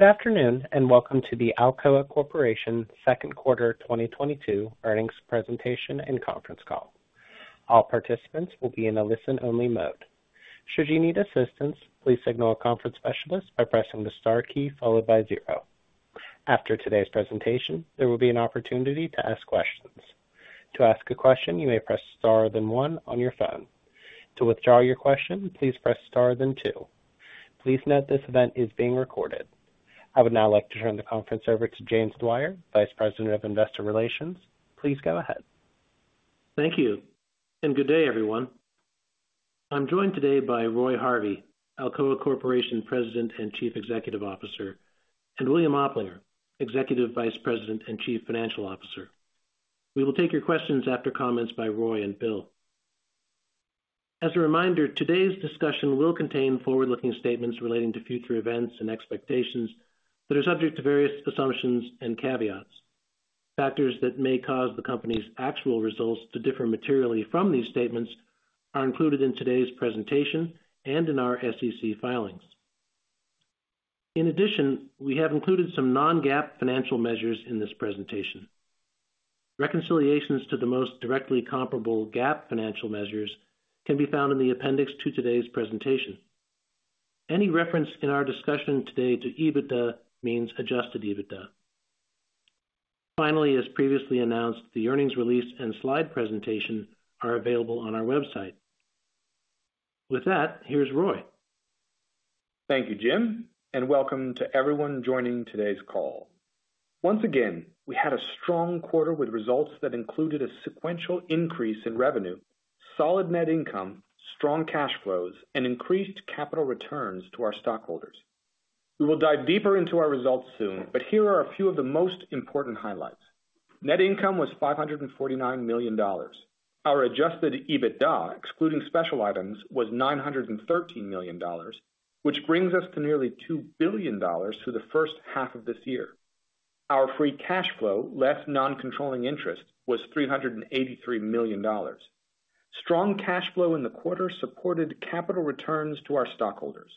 Good afternoon, and welcome to the Alcoa Corporation Second Quarter 2022 Earnings Presentation and Conference Call. All participants will be in a listen-only mode. Should you need assistance, please signal a conference specialist by pressing the star key followed by zero. After today's presentation, there will be an opportunity to ask questions. To ask a question, you may press star then one on your phone. To withdraw your question, please press star then two. Please note this event is being recorded. I would now like to turn the conference over to James Dwyer, Vice President of Investor Relations. Please go ahead. Thank you, and good day, everyone. I'm joined today by Roy Harvey, Alcoa Corporation President and Chief Executive Officer, and William Oplinger, Executive Vice President and Chief Financial Officer. We will take your questions after comments by Roy and Bill. As a reminder, today's discussion will contain forward-looking statements relating to future events and expectations that are subject to various assumptions and caveats. Factors that may cause the company's actual results to differ materially from these statements are included in today's presentation and in our SEC filings. In addition, we have included some non-GAAP financial measures in this presentation. Reconciliations to the most directly comparable GAAP financial measures can be found in the appendix to today's presentation. Any reference in our discussion today to EBITDA means adjusted EBITDA. Finally, as previously announced, the earnings release and slide presentation are available on our website. With that, here's Roy. Thank you, Jim, and welcome to everyone joining today's call. Once again, we had a strong quarter with results that included a sequential increase in revenue, solid net income, strong cash flows, and increased capital returns to our stockholders. We will dive deeper into our results soon, but here are a few of the most important highlights. Net income was $549 million. Our adjusted EBITDA, excluding special items, was $913 million, which brings us to nearly $2 billion through the first half of this year. Our free cash flow, less non-controlling interest, was $383 million. Strong cash flow in the quarter supported capital returns to our stockholders.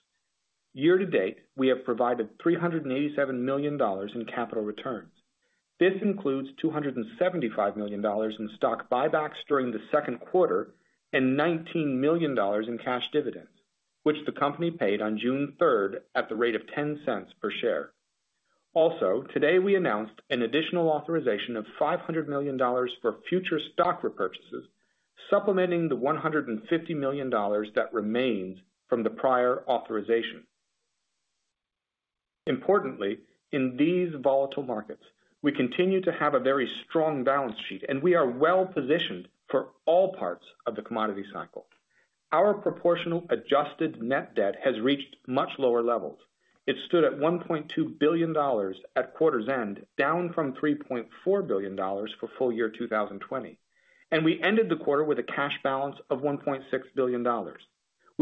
Year-to-date, we have provided $387 million in capital returns. This includes $275 million in stock buybacks during the second quarter and $19 million in cash dividends, which the company paid on June 3rd at the rate of $0.10 per share. Also, today we announced an additional authorization of $500 million for future stock repurchases, supplementing the $150 million that remains from the prior authorization. Importantly, in these volatile markets, we continue to have a very strong balance sheet, and we are well positioned for all parts of the commodity cycle. Our proportional adjusted net debt has reached much lower levels. It stood at $1.2 billion at quarter's end, down from $3.4 billion for full year 2020. We ended the quarter with a cash balance of $1.6 billion.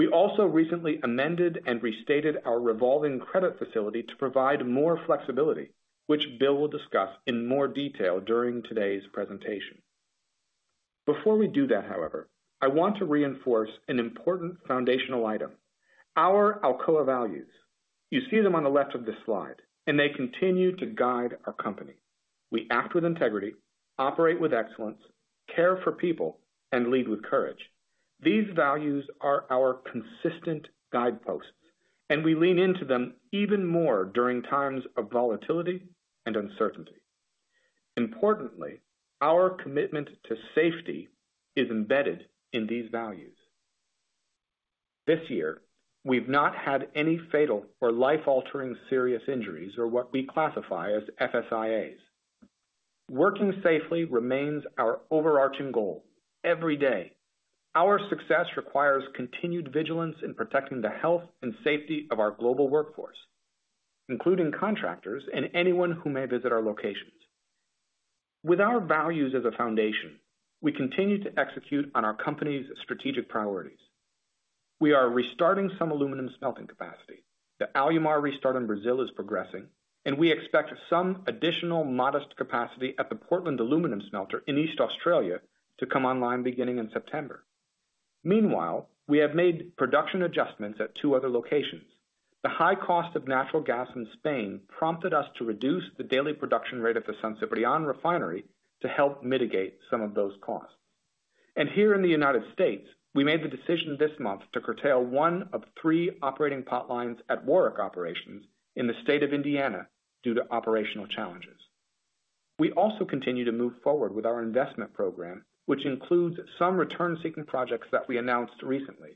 We also recently amended and restated our revolving credit facility to provide more flexibility, which Bill will discuss in more detail during today's presentation. Before we do that, however, I want to reinforce an important foundational item, our Alcoa values. You see them on the left of this slide, and they continue to guide our company. We act with Integrity, Operate with Excellence, Care for People, and Lead with Courage. These values are our consistent guideposts, and we lean into them even more during times of volatility and uncertainty. Importantly, our commitment to safety is embedded in these values. This year, we've not had any fatal or life-altering serious injuries or what we classify as FSI-As. Working safely remains our overarching goal every day. Our success requires continued vigilance in protecting the health and safety of our global workforce, including contractors and anyone who may visit our locations. With our values as a foundation, we continue to execute on our company's strategic priorities. We are restarting some aluminum smelting capacity. The Alumar restart in Brazil is progressing, and we expect some additional modest capacity at the Portland Aluminium Smelter in Eastern Australia to come online beginning in September. Meanwhile, we have made production adjustments at two other locations. The high cost of natural gas in Spain prompted us to reduce the daily production rate of the San Ciprián refinery to help mitigate some of those costs. Here in the United States, we made the decision this month to curtail one of three operating pot lines at Warrick Operations in the state of Indiana due to operational challenges. We also continue to move forward with our investment program, which includes some return-seeking projects that we announced recently.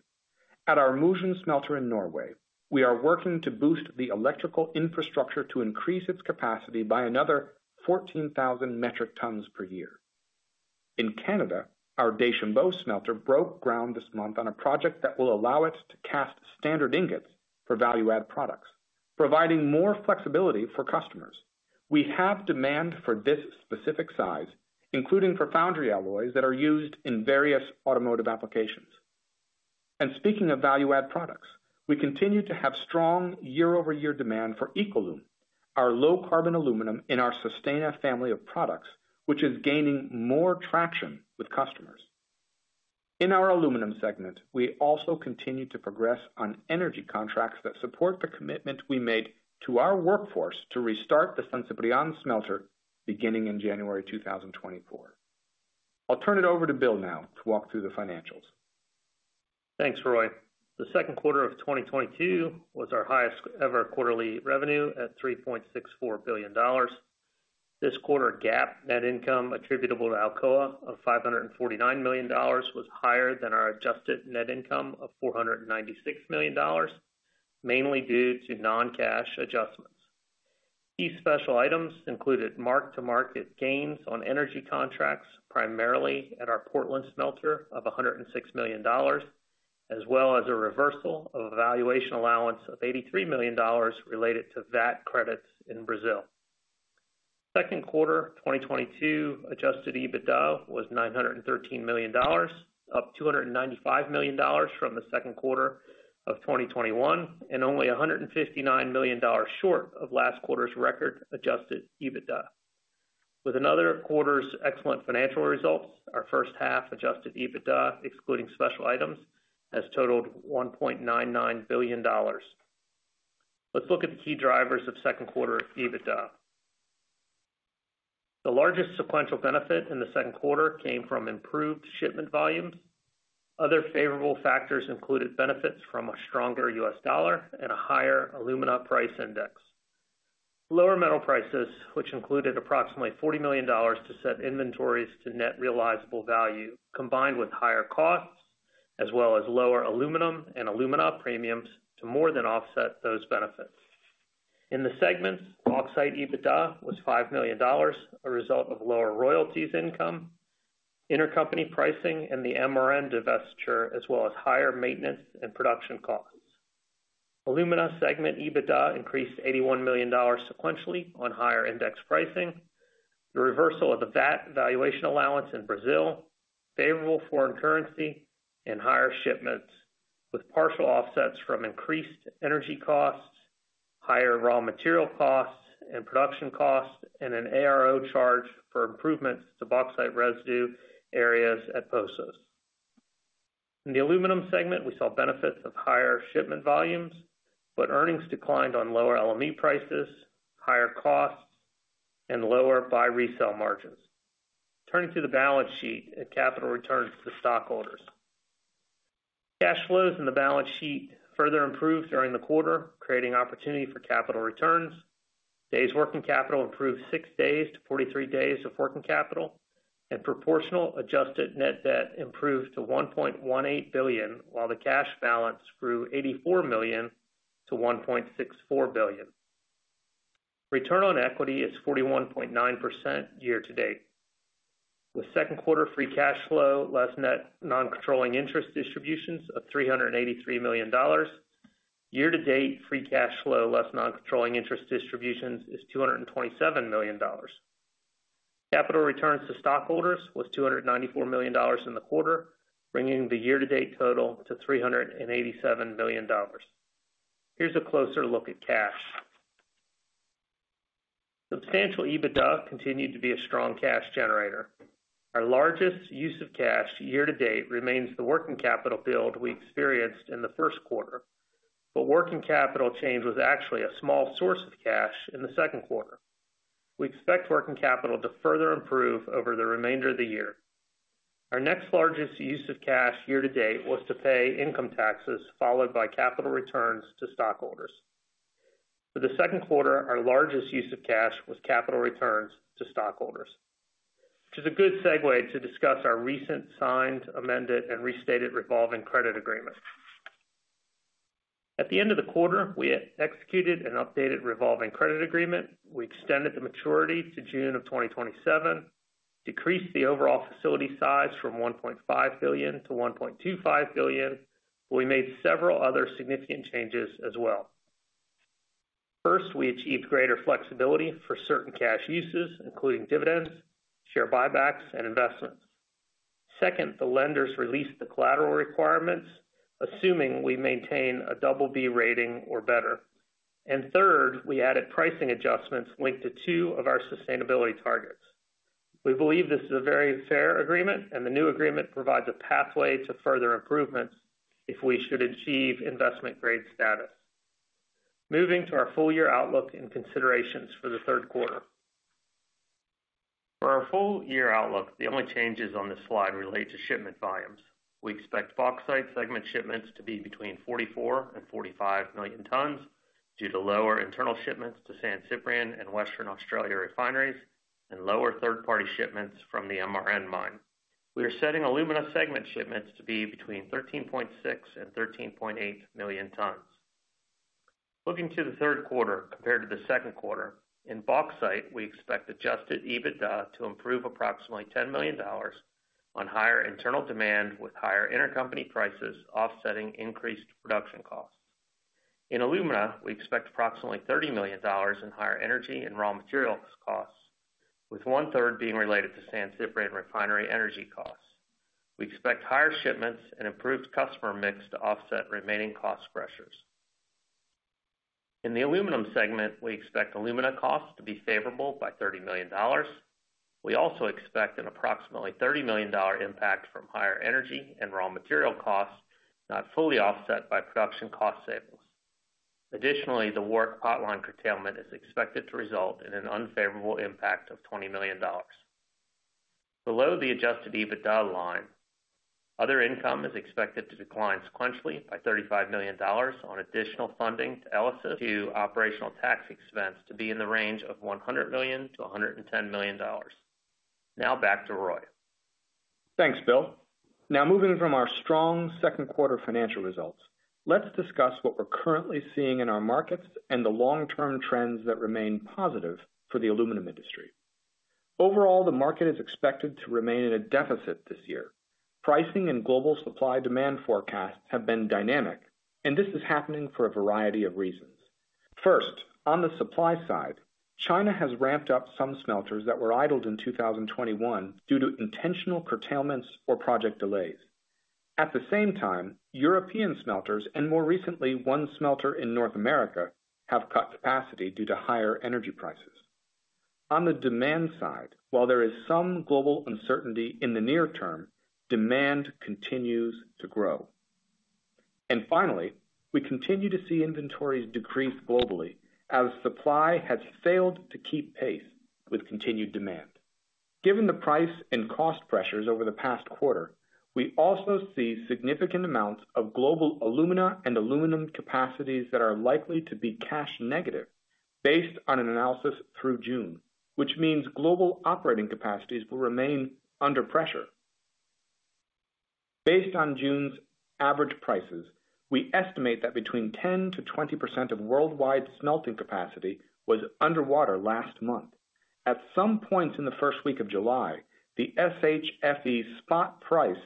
At our Mosjøen smelter in Norway, we are working to boost the electrical infrastructure to increase its capacity by another 14,000 metric tons per year. In Canada, our Deschambault smelter broke ground this month on a project that will allow us to cast standard ingots for value-add products, providing more flexibility for customers. We have demand for this specific size, including for foundry alloys that are used in various automotive applications. Speaking of value-add products, we continue to have strong year-over-year demand for EcoLum, our low-carbon aluminum in our Sustana family of products, which is gaining more traction with customers. In our Aluminum segment, we also continue to progress on energy contracts that support the commitment we made to our workforce to restart the San Ciprián smelter beginning in January 2024. I'll turn it over to Bill now to walk through the financials. Thanks, Roy. The second quarter of 2022 was our highest ever quarterly revenue at $3.64 billion. This quarter GAAP net income attributable to Alcoa of $549 million was higher than our adjusted net income of $496 million, mainly due to non-cash adjustments. These special items included mark-to-market gains on energy contracts, primarily at our Portland smelter of $106 million, as well as a reversal of a valuation allowance of $83 million related to VAT credits in Brazil. Second quarter 2022 adjusted EBITDA was $913 million, up $295 million from the second quarter of 2021 and only $159 million short of last quarter's record adjusted EBITDA. With another quarter's excellent financial results, our first half adjusted EBITDA, excluding special items, has totaled $1.99 billion. Let's look at the key drivers of second quarter EBITDA. The largest sequential benefit in the second quarter came from improved shipment volumes. Other favorable factors included benefits from a stronger U.S. dollar and a higher alumina price index. Lower metal prices, which included approximately $40 million to set inventories to net realizable value, combined with higher costs, as well as lower aluminum and alumina premiums to more than offset those benefits. In the segments, Bauxite EBITDA was $5 million, a result of lower royalties income, intercompany pricing and the MRN divestiture, as well as higher maintenance and production costs. Alumina segment EBITDA increased $81 million sequentially on higher index pricing. The reversal of the VAT valuation allowance in Brazil, favorable foreign currency and higher shipments with partial offsets from increased energy costs, higher raw material costs and production costs, and an ARO charge for improvements to Bauxite residue areas at Poços. In the aluminum segment, we saw benefits of higher shipment volumes, but earnings declined on lower LME prices, higher costs, and lower buy-resell margins. Turning to the balance sheet and capital returns to stockholders. Cash flows in the balance sheet further improved during the quarter, creating opportunity for capital returns. Days working capital improved six days to 43 days of working capital, and proportional adjusted net debt improved to $1.18 billion, while the cash balance grew $84 million to $1.64 billion. Return on equity is 41.9% year-to-date. With second quarter free cash flow less net non-controlling interest distributions of $383 million. Year-to-date free cash flow less non-controlling interest distributions is $227 million. Capital returns to stockholders was $294 million in the quarter, bringing the year-to-date total to $387 million. Here's a closer look at cash. Substantial EBITDA continued to be a strong cash generator. Our largest use of cash year-to-date remains the working capital build we experienced in the first quarter. Working capital change was actually a small source of cash in the second quarter. We expect working capital to further improve over the remainder of the year. Our next largest use of cash year-to-date was to pay income taxes, followed by capital returns to stockholders. For the second quarter, our largest use of cash was capital returns to stockholders, which is a good segue to discuss our recent signed, amended, and restated revolving credit agreement. At the end of the quarter, we executed an updated revolving credit agreement. We extended the maturity to June 2027, decreased the overall facility size from $1.5 billion-$1.25 billion. We made several other significant changes as well. First, we achieved greater flexibility for certain cash uses, including dividends, share buybacks and investments. Second, the lenders released the collateral requirements, assuming we maintain a BB rating or better. Third, we added pricing adjustments linked to two of our sustainability targets. We believe this is a very fair agreement, and the new agreement provides a pathway to further improvements if we should achieve investment grade status. Moving to our full-year outlook and considerations for the third quarter. For our full-year outlook, the only changes on this slide relate to shipment volumes. We expect Bauxite segment shipments to be between 44 and 45 million tons due to lower internal shipments to San Ciprián and Western Australia refineries and lower third-party shipments from the MRN mine. We are setting alumina segment shipments to be between 13.6 and 13.8 million tons. Looking to the third quarter, compared to the second quarter, in Bauxite, we expect adjusted EBITDA to improve approximately $10 million on higher internal demand, with higher intercompany prices offsetting increased production costs. In Alumina, we expect approximately $30 million in higher energy and raw materials costs, with one-third being related to San Ciprián refinery energy costs. We expect higher shipments and improved customer mix to offset remaining cost pressures. In the Aluminum segment, we expect alumina costs to be favorable by $30 million. We also expect an approximately $30 million impact from higher energy and raw material costs, not fully offset by production cost savings. Additionally, the workforce curtailment is expected to result in an unfavorable impact of $20 million. Below the adjusted EBITDA line, other income is expected to decline sequentially by $35 million on additional funding to ELYSIS. Operational tax expense to be in the range of $100 million-$110 million. Now back to Roy. Thanks, Bill. Now moving from our strong second quarter financial results, let's discuss what we're currently seeing in our markets and the long-term trends that remain positive for the aluminum industry. Overall, the market is expected to remain in a deficit this year. Pricing and global supply-demand forecasts have been dynamic, and this is happening for a variety of reasons. First, on the supply side, China has ramped up some smelters that were idled in 2021 due to intentional curtailments or project delays. At the same time, European smelters and more recently, one smelter in North America, have cut capacity due to higher energy prices. On the demand side, while there is some global uncertainty in the near term, demand continues to grow. Finally, we continue to see inventories decrease globally as supply has failed to keep pace with continued demand. Given the price and cost pressures over the past quarter, we also see significant amounts of global alumina and aluminum capacities that are likely to be cash negative based on an analysis through June, which means global operating capacities will remain under pressure. Based on June's average prices, we estimate that between 10%-20% of worldwide smelting capacity was underwater last month. At some point in the first week of July, the SHFE spot price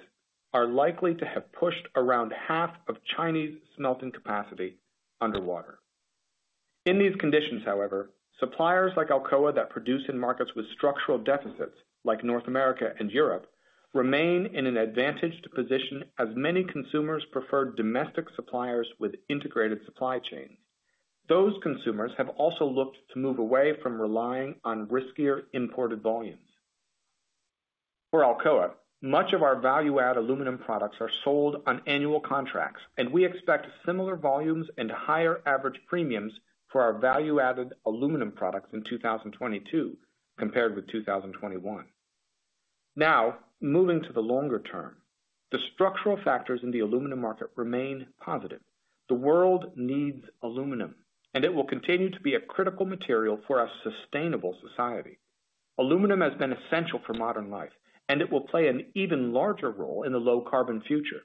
are likely to have pushed around half of Chinese smelting capacity underwater. In these conditions, however, suppliers like Alcoa that produce in markets with structural deficits, like North America and Europe, remain in an advantaged position as many consumers prefer domestic suppliers with integrated supply chains. Those consumers have also looked to move away from relying on riskier imported volumes. For Alcoa, much of our value-added aluminum products are sold on annual contracts, and we expect similar volumes and higher average premiums for our value-added aluminum products in 2022 compared with 2021. Now, moving to the longer term, the structural factors in the aluminum market remain positive. The world needs aluminum, and it will continue to be a critical material for our sustainable society. Aluminum has been essential for modern life, and it will play an even larger role in the low-carbon future.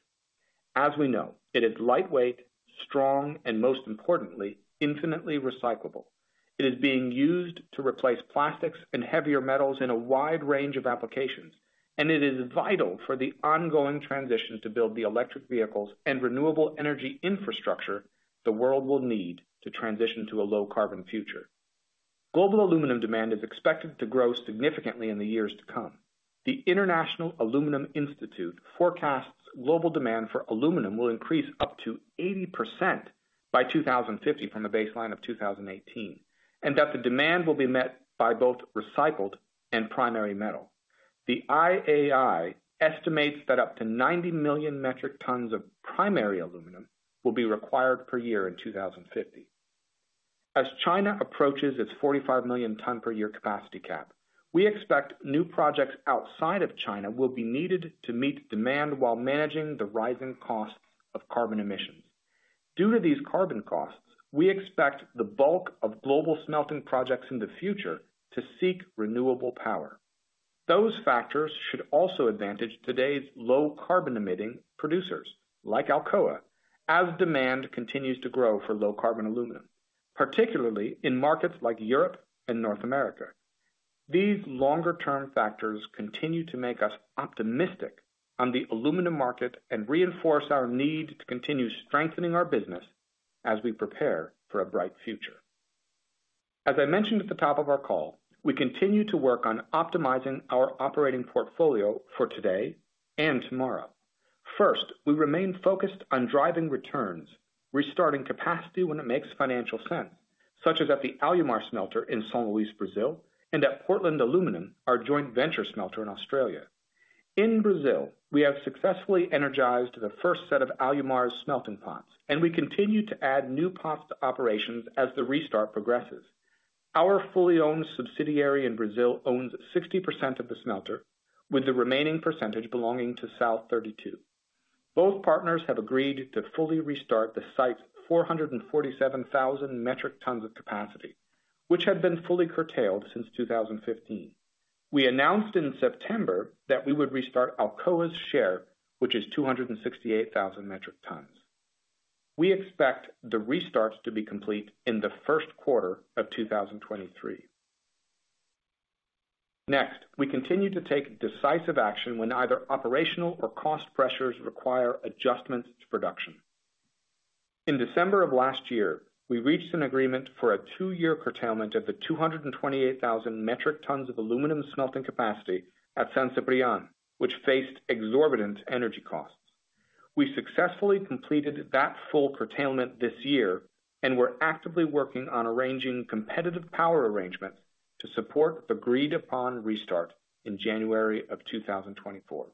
As we know, it is lightweight, strong, and most importantly, infinitely recyclable. It is being used to replace plastics and heavier metals in a wide range of applications, and it is vital for the ongoing transition to build the electric vehicles and renewable energy infrastructure the world will need to transition to a low-carbon future. Global aluminum demand is expected to grow significantly in the years to come. The International Aluminium Institute forecasts global demand for aluminum will increase up to 80% by 2050 from a baseline of 2018, and that the demand will be met by both recycled and primary metal. The IAI estimates that up to 90 million metric tons of primary aluminum will be required per year in 2050. As China approaches its 45 million tons per year capacity cap, we expect new projects outside of China will be needed to meet demand while managing the rising cost of carbon emissions. Due to these carbon costs, we expect the bulk of global smelting projects in the future to seek renewable power. Those factors should also advantage today's low carbon emitting producers, like Alcoa, as demand continues to grow for low-carbon aluminum, particularly in markets like Europe and North America. These longer-term factors continue to make us optimistic on the aluminum market and reinforce our need to continue strengthening our business as we prepare for a bright future. As I mentioned at the top of our call, we continue to work on optimizing our operating portfolio for today and tomorrow. First, we remain focused on driving returns, restarting capacity when it makes financial sense, such as at the Alumar smelter in São Luís, Brazil, and at Portland Aluminium, our joint venture smelter in Australia. In Brazil, we have successfully energized the first set of Alumar's smelting pots, and we continue to add new pots to operations as the restart progresses. Our fully owned subsidiary in Brazil owns 60% of the smelter, with the remaining percentage belonging to South32. Both partners have agreed to fully restart the site's 447,000 metric tons of capacity, which had been fully curtailed since 2015. We announced in September that we would restart Alcoa's share, which is 268,000 metric tons. We expect the restarts to be complete in the first quarter of 2023. Next, we continue to take decisive action when either operational or cost pressures require adjustments to production. In December of last year, we reached an agreement for a two-year curtailment of the 228,000 metric tons of aluminum smelting capacity at San Ciprián, which faced exorbitant energy costs. We successfully completed that full curtailment this year, and we're actively working on arranging competitive power arrangements to support agreed-upon restart in January 2024.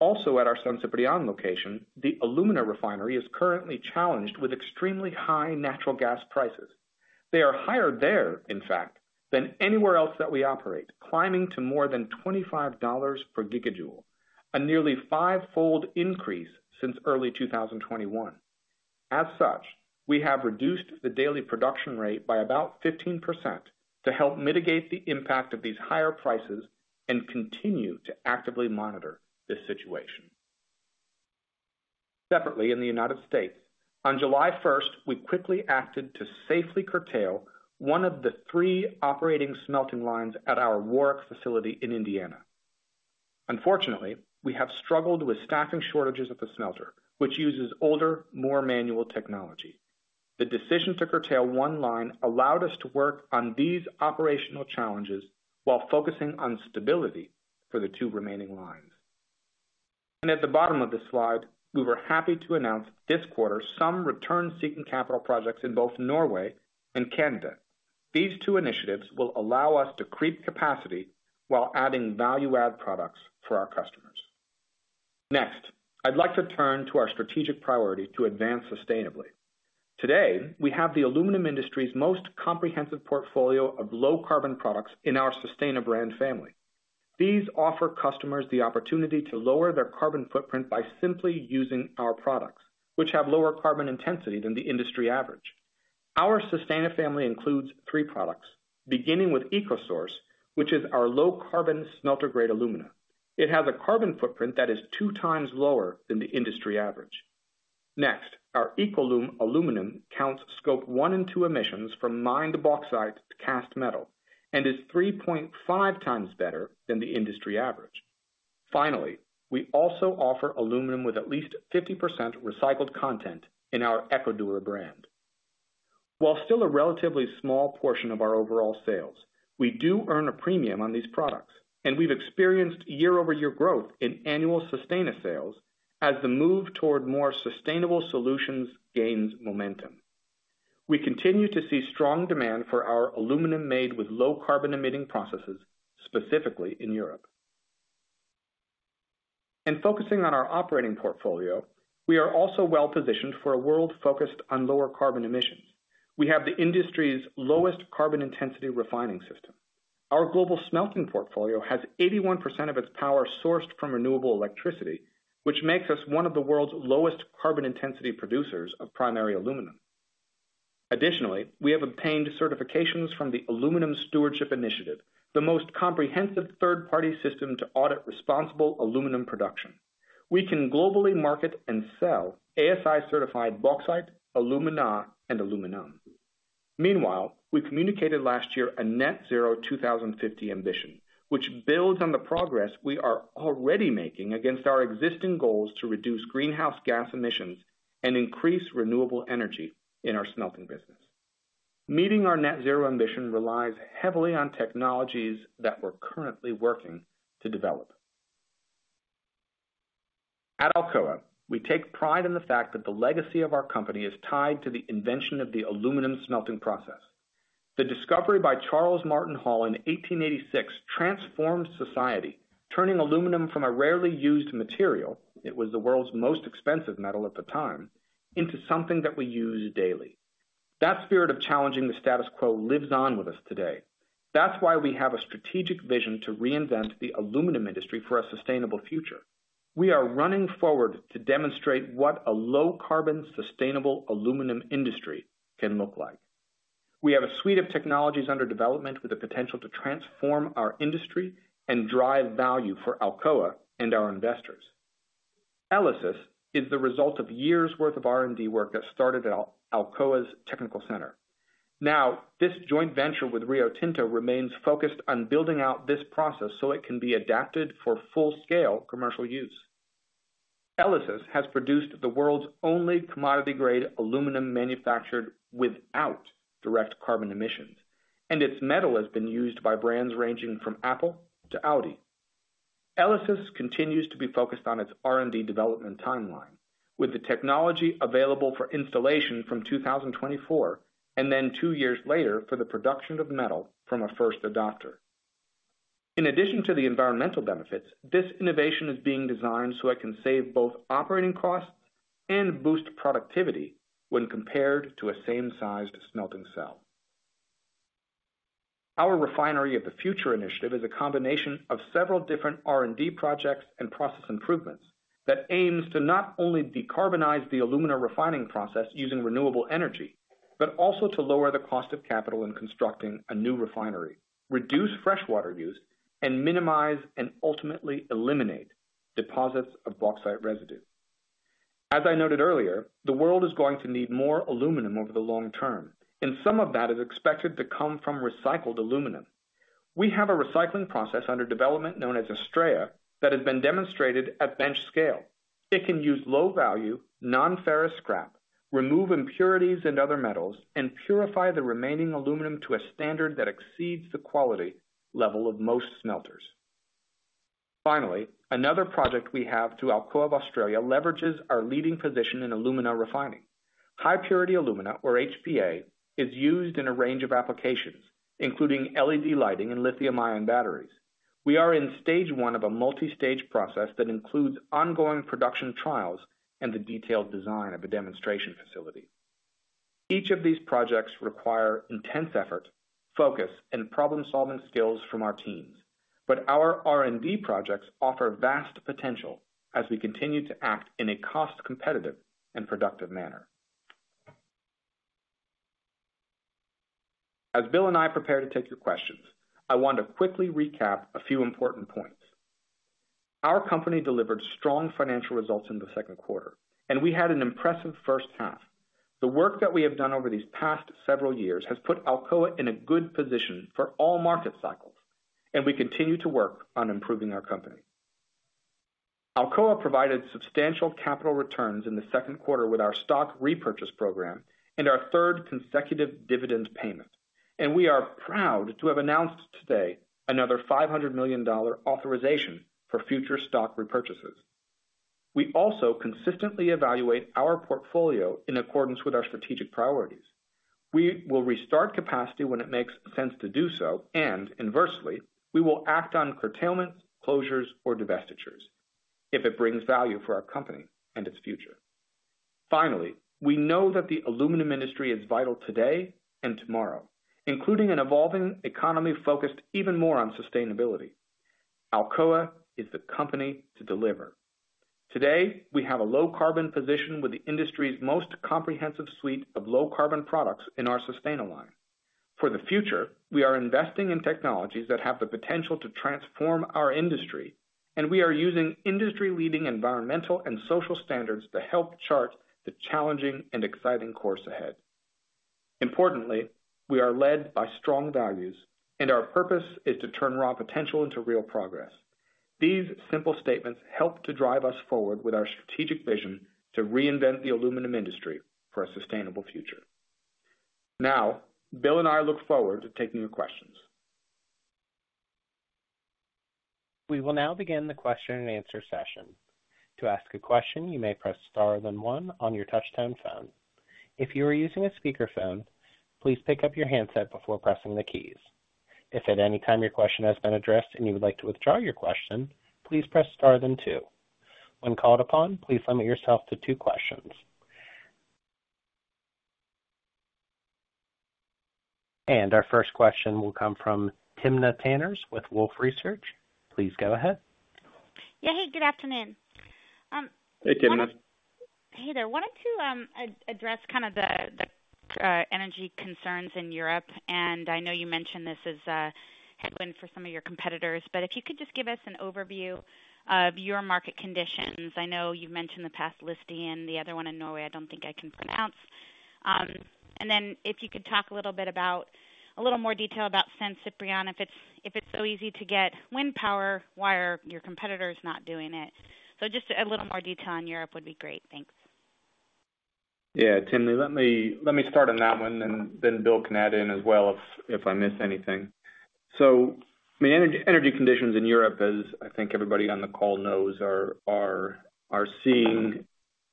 Also at our San Ciprián location, the alumina refinery is currently challenged with extremely high natural gas prices. They are higher there, in fact, than anywhere else that we operate, climbing to more than $25 per gigajoule, a nearly five-fold increase since early 2021. As such, we have reduced the daily production rate by about 15% to help mitigate the impact of these higher prices and continue to actively monitor the situation. Separately, in the United States, on July 1st, we quickly acted to safely curtail one of the three operating smelting lines at our Warrick facility in Indiana. Unfortunately, we have struggled with staffing shortages at the smelter, which uses older, more manual technology. The decision to curtail one line allowed us to work on these operational challenges while focusing on stability for the two remaining lines. At the bottom of this slide, we were happy to announce this quarter some return-seeking capital projects in both Norway and Canada. These two initiatives will allow us to create capacity while adding value-add products for our customers. Next, I'd like to turn to our strategic priority to advance sustainably. Today, we have the aluminum industry's most comprehensive portfolio of low-carbon products in our Sustana brand family. These offer customers the opportunity to lower their carbon footprint by simply using our products, which have lower carbon intensity than the industry average. Our Sustana family includes three products, beginning with EcoSource, which is our low-carbon smelter-grade alumina. It has a carbon footprint that is two times lower than the industry average. Next, our EcoLum aluminum counts scope one and two emissions from mined bauxite to cast metal and is three point five times better than the industry average. Finally, we also offer aluminum with at least 50% recycled content in our EcoDura brand. While still a relatively small portion of our overall sales, we do earn a premium on these products, and we've experienced year-over-year growth in annual Sustana sales as the move toward more sustainable solutions gains momentum. We continue to see strong demand for our aluminum made with low carbon-emitting processes, specifically in Europe. Focusing on our operating portfolio, we are also well-positioned for a world focused on lower carbon emissions. We have the industry's lowest carbon intensity refining system. Our global smelting portfolio has 81% of its power sourced from renewable electricity, which makes us one of the world's lowest carbon intensity producers of primary aluminum. Additionally, we have obtained certifications from the Aluminium Stewardship Initiative, the most comprehensive third-party system to audit responsible aluminum production. We can globally market and sell ASI-certified Bauxite, Alumina, and Aluminum. Meanwhile, we communicated last year a net zero 2050 ambition, which builds on the progress we are already making against our existing goals to reduce greenhouse gas emissions and increase renewable energy in our smelting business. Meeting our net zero emission relies heavily on technologies that we're currently working to develop. At Alcoa, we take pride in the fact that the legacy of our company is tied to the invention of the aluminum smelting process. The discovery by Charles Martin Hall in 1886 transformed society, turning aluminum from a rarely used material. It was the world's most expensive metal at the time, into something that we use daily. That spirit of challenging the status quo lives on with us today. That's why we have a strategic vision to reinvent the aluminum industry for a sustainable future. We are running forward to demonstrate what a low-carbon, sustainable aluminum industry can look like. We have a suite of technologies under development with the potential to transform our industry and drive value for Alcoa and our investors. ELYSIS is the result of years' worth of R&D work that started at Alcoa's technical center. Now, this joint venture with Rio Tinto remains focused on building out this process so it can be adapted for full-scale commercial use. ELYSIS has produced the world's only commodity-grade aluminum manufactured without direct carbon emissions, and its metal has been used by brands ranging from Apple to Audi. ELYSIS continues to be focused on its R&D development timeline, with the technology available for installation from 2024, and then two years later for the production of metal from a first adopter. In addition to the environmental benefits, this innovation is being designed so it can save both operating costs and boost productivity when compared to a same-sized smelting cell. Our Refinery of the Future initiative is a combination of several different R&D projects and process improvements that aims to not only decarbonize the alumina refining process using renewable energy, but also to lower the cost of capital in constructing a new refinery, reduce freshwater use, and minimize and ultimately eliminate deposits of bauxite residue. As I noted earlier, the world is going to need more aluminum over the long term, and some of that is expected to come from recycled aluminum. We have a recycling process under development known as ASTRAEA that has been demonstrated at bench scale. It can use low-value, non-ferrous scrap, remove impurities and other metals, and purify the remaining aluminum to a standard that exceeds the quality level of most smelters. Finally, another project we have through Alcoa of Australia leverages our leading position in alumina refining. High-purity alumina or HPA is used in a range of applications, including LED lighting and lithium-ion batteries. We are in stage one of a multi-stage process that includes ongoing production trials and the detailed design of a demonstration facility. Each of these projects require intense effort, focus, and problem-solving skills from our teams. Our R&D projects offer vast potential as we continue to act in a cost-competitive and productive manner. As Bill and I prepare to take your questions, I want to quickly recap a few important points. Our company delivered strong financial results in the second quarter, and we had an impressive first half. The work that we have done over these past several years has put Alcoa in a good position for all market cycles, and we continue to work on improving our company. Alcoa provided substantial capital returns in the second quarter with our stock repurchase program and our third consecutive dividend payment. We are proud to have announced today another $500 million authorization for future stock repurchases. We also consistently evaluate our portfolio in accordance with our strategic priorities. We will restart capacity when it makes sense to do so, and inversely, we will act on curtailments, closures, or divestitures if it brings value for our company and its future. Finally, we know that the aluminum industry is vital today and tomorrow, including an evolving economy focused even more on sustainability. Alcoa is the company to deliver. Today, we have a low carbon position with the industry's most comprehensive suite of low carbon products in our Sustana line. For the future, we are investing in technologies that have the potential to transform our industry, and we are using industry-leading environmental and social standards to help chart the challenging and exciting course ahead. Importantly, we are led by strong values, and our purpose is to turn raw potential into real progress. These simple statements help to drive us forward with our strategic vision to reinvent the aluminum industry for a sustainable future. Now, Bill and I look forward to taking your questions. We will now begin the question and answer session. To ask a question, you may press star then one on your touchtone phone. If you are using a speakerphone, please pick up your handset before pressing the keys. If at any time your question has been addressed and you would like to withdraw your question, please press star then two. When called upon, please limit yourself to two questions. Our first question will come from Timna Tanners with Wolfe Research. Please go ahead. Yeah. Hey, good afternoon. Hey, Timna. Hey there. Wanted to address kind of the energy concerns in Europe. I know you mentioned this as a headwind for some of your competitors, but if you could just give us an overview of your market conditions. I know you've mentioned the past Lista and the other one in Norway, I don't think I can pronounce. If you could talk a little bit about a little more detail about San Ciprián, if it's so easy to get wind power, why are your competitors not doing it? Just a little more detail on Europe would be great. Thanks. Yeah. Timna, let me start on that one, and then Bill can add in as well if I miss anything. Energy conditions in Europe, as I think everybody on the call knows, are seeing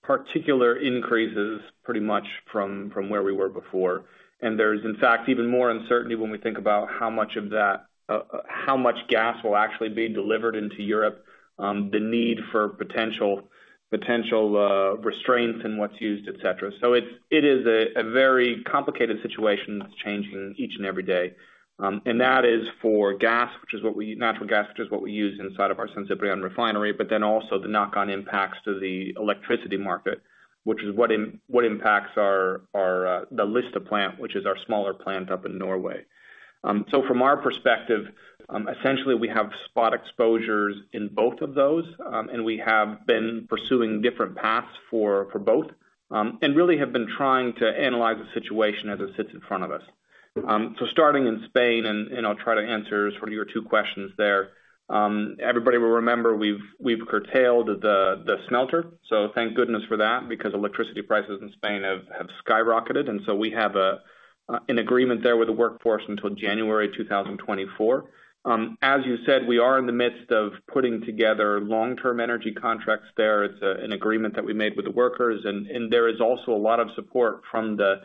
particular increases pretty much from where we were before. There's, in fact, even more uncertainty when we think about how much of that, how much gas will actually be delivered into Europe, the need for potential restraints in what's used, et cetera. It's a very complicated situation that's changing each and every day. That is for natural gas, which is what we use inside of our San Ciprián refinery, but then also the knock-on impacts to the electricity market, which is what impacts our Lista plant, which is our smaller plant up in Norway. From our perspective, essentially, we have spot exposures in both of those, and we have been pursuing different paths for both, and really have been trying to analyze the situation as it sits in front of us. Starting in Spain, I'll try to answer sort of your two questions there. Everybody will remember we've curtailed the smelter, so thank goodness for that because electricity prices in Spain have skyrocketed, and so we have an agreement there with the workforce until January 2024. As you said, we are in the midst of putting together long-term energy contracts there. It's an agreement that we made with the workers, and there is also a lot of support from the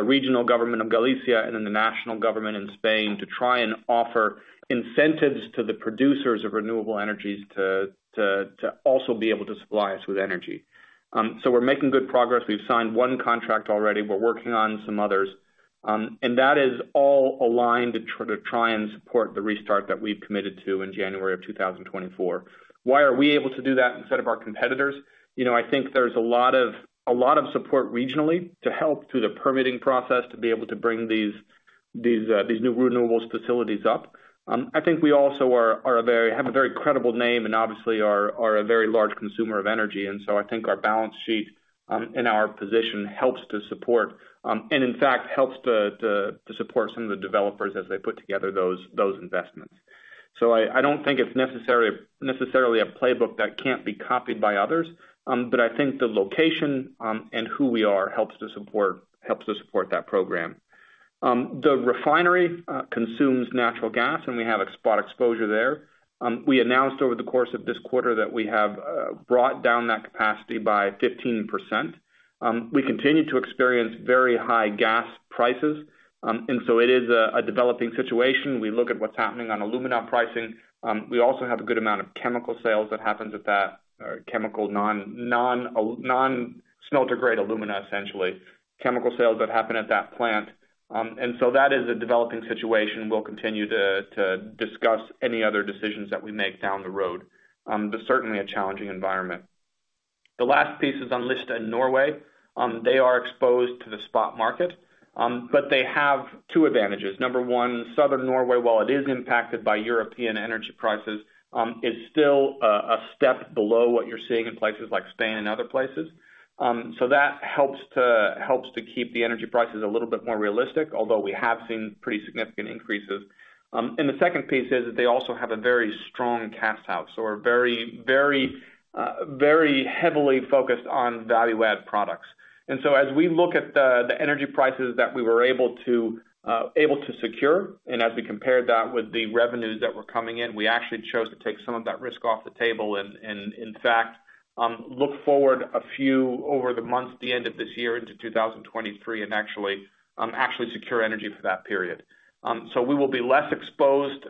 regional government of Galicia and in the national government in Spain to try and offer incentives to the producers of renewable energies to also be able to supply us with energy. We're making good progress. We've signed one contract already. We're working on some others. That is all aligned to try and support the restart that we've committed to in January 2024. Why are we able to do that instead of our competitors? You know, I think there's a lot of support regionally to help through the permitting process to be able to bring these new renewables facilities up. I think we also have a very credible name and obviously are a very large consumer of energy. I think our balance sheet and our position helps to support, and in fact, helps to support some of the developers as they put together those investments. I don't think it's necessarily a playbook that can't be copied by others. I think the location and who we are helps to support that program. The refinery consumes natural gas, and we have a spot exposure there. We announced over the course of this quarter that we have brought down that capacity by 15%. We continue to experience very high gas prices, and so it is a developing situation. We look at what's happening on alumina pricing. We also have a good amount of chemical sales that happens at that chemical non-smelter grade alumina, essentially. Chemical sales that happen at that plant. That is a developing situation. We'll continue to discuss any other decisions that we make down the road. Certainly a challenging environment. The last piece is on Lista in Norway. They are exposed to the spot market, but they have two advantages. Number one, Southern Norway, while it is impacted by European energy prices, is still a step below what you're seeing in places like Spain and other places. So that helps to keep the energy prices a little bit more realistic, although we have seen pretty significant increases. The second piece is that they also have a very strong cast house or very heavily focused on value add products. As we look at the energy prices that we were able to secure, and as we compared that with the revenues that were coming in, we actually chose to take some of that risk off the table and in fact look forward a few over the months at the end of this year into 2023 and actually secure energy for that period. We will be less exposed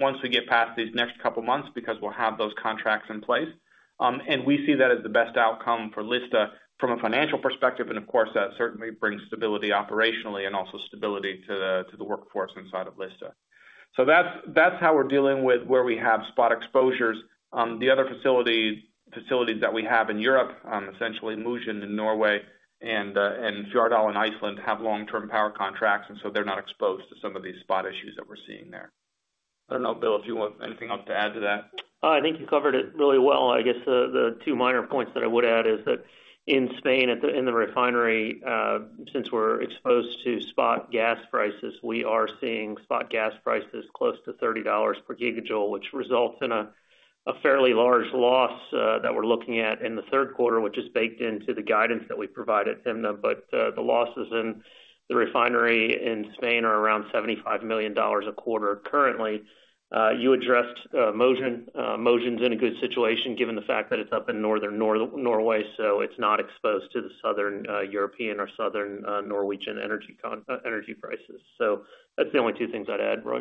once we get past these next couple months because we'll have those contracts in place. We see that as the best outcome for Alcoa from a financial perspective, and of course, that certainly brings stability operationally and also stability to the workforce inside of Alcoa. That's how we're dealing with where we have spot exposures. The other facilities that we have in Europe, essentially Mosjøen in Norway and Fjarðaál in Iceland, have long-term power contracts, and so they're not exposed to some of these spot issues that we're seeing there. I don't know, Bill, if you want anything else to add to that. I think you covered it really well. I guess the two minor points that I would add is that in Spain at the, in the refinery, since we're exposed to spot gas prices, we are seeing spot gas prices close to $30 per gigajoule, which results in a fairly large loss that we're looking at in the third quarter, which is baked into the guidance that we provided, Timna. The losses in the refinery in Spain are around $75 million a quarter, currently. You addressed Mosjøen. Mosjøen's in a good situation given the fact that it's up in northern Norway, so it's not exposed to the southern European or southern Norwegian energy prices. That's the only two things I'd add, Roy.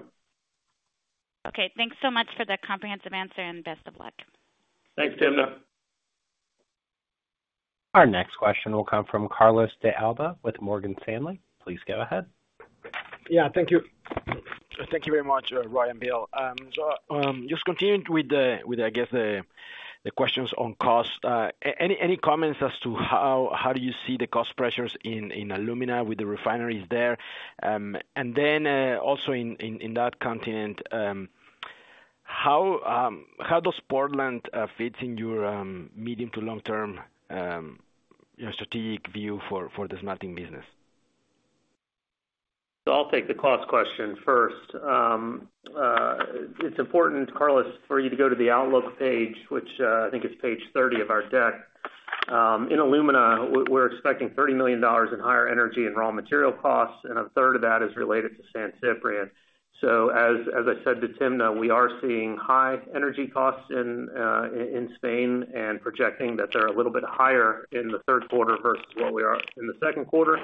Okay, thanks so much for the comprehensive answer and best of luck. Thanks, Timna. Our next question will come from Carlos de Alba with Morgan Stanley. Please go ahead. Yeah, thank you. Thank you very much, Roy and Bill. Just continuing with, I guess, the questions on cost. Any comments as to how do you see the cost pressures in alumina with the refineries there? Also in that continent, how does Portland fit in your medium to long-term, you know, strategic view for the smelting business? I'll take the cost question first. It's important, Carlos, for you to go to the outlook page, which, I think it's page 30 of our deck. In Alumina, we're expecting $30 million in higher energy and raw material costs, and a third of that is related to San Ciprián. As I said to Timna, we are seeing high energy costs in Spain and projecting that they're a little bit higher in the third quarter versus what we are in the second quarter.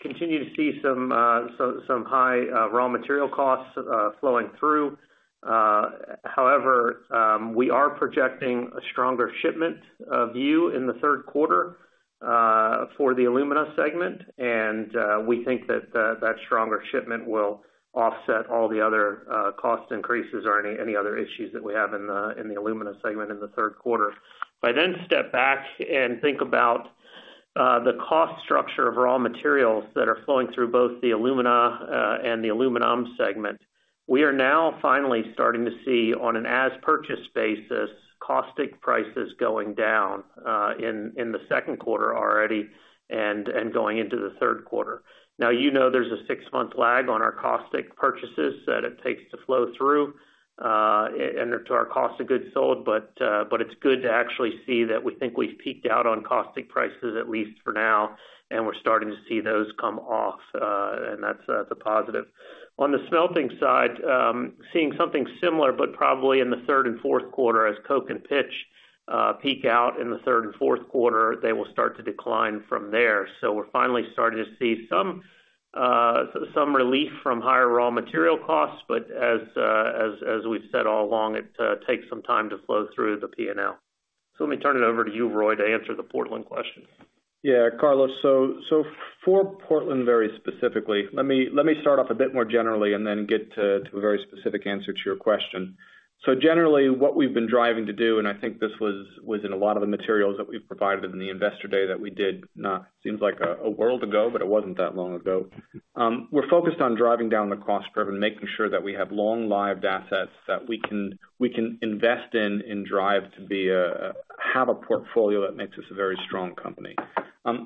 Continue to see some high raw material costs flowing through. However, we are projecting a stronger shipment view in the third quarter for the Alumina segment. We think that stronger shipment will offset all the other cost increases or any other issues that we have in the Alumina segment in the third quarter. If I then step back and think about the cost structure of raw materials that are flowing through both the Alumina and the Aluminum segment, we are now finally starting to see on an as purchase basis, caustic prices going down in the second quarter already and going into the third quarter. Now, you know there's a six-month lag on our caustic purchases that it takes to flow through, and to our cost of goods sold, but it's good to actually see that we think we've peaked out on caustic prices, at least for now, and we're starting to see those come off, and that's the positive. On the smelting side, seeing something similar, but probably in the third and fourth quarter as coke and pitch peak out in the third and fourth quarter, they will start to decline from there. We're finally starting to see some relief from higher raw material costs. As we've said all along, it takes some time to flow through the P&L. Let me turn it over to you, Roy, to answer the Portland question. Yeah, Carlos. For Portland, very specifically, let me start off a bit more generally and then get to a very specific answer to your question. Generally what we've been driving to do, and I think this was in a lot of the materials that we've provided in the Investor Day that we did, seems like a world ago, but it wasn't that long ago. We're focused on driving down the cost curve and making sure that we have long-lived assets that we can invest in and drive to have a portfolio that makes us a very strong company.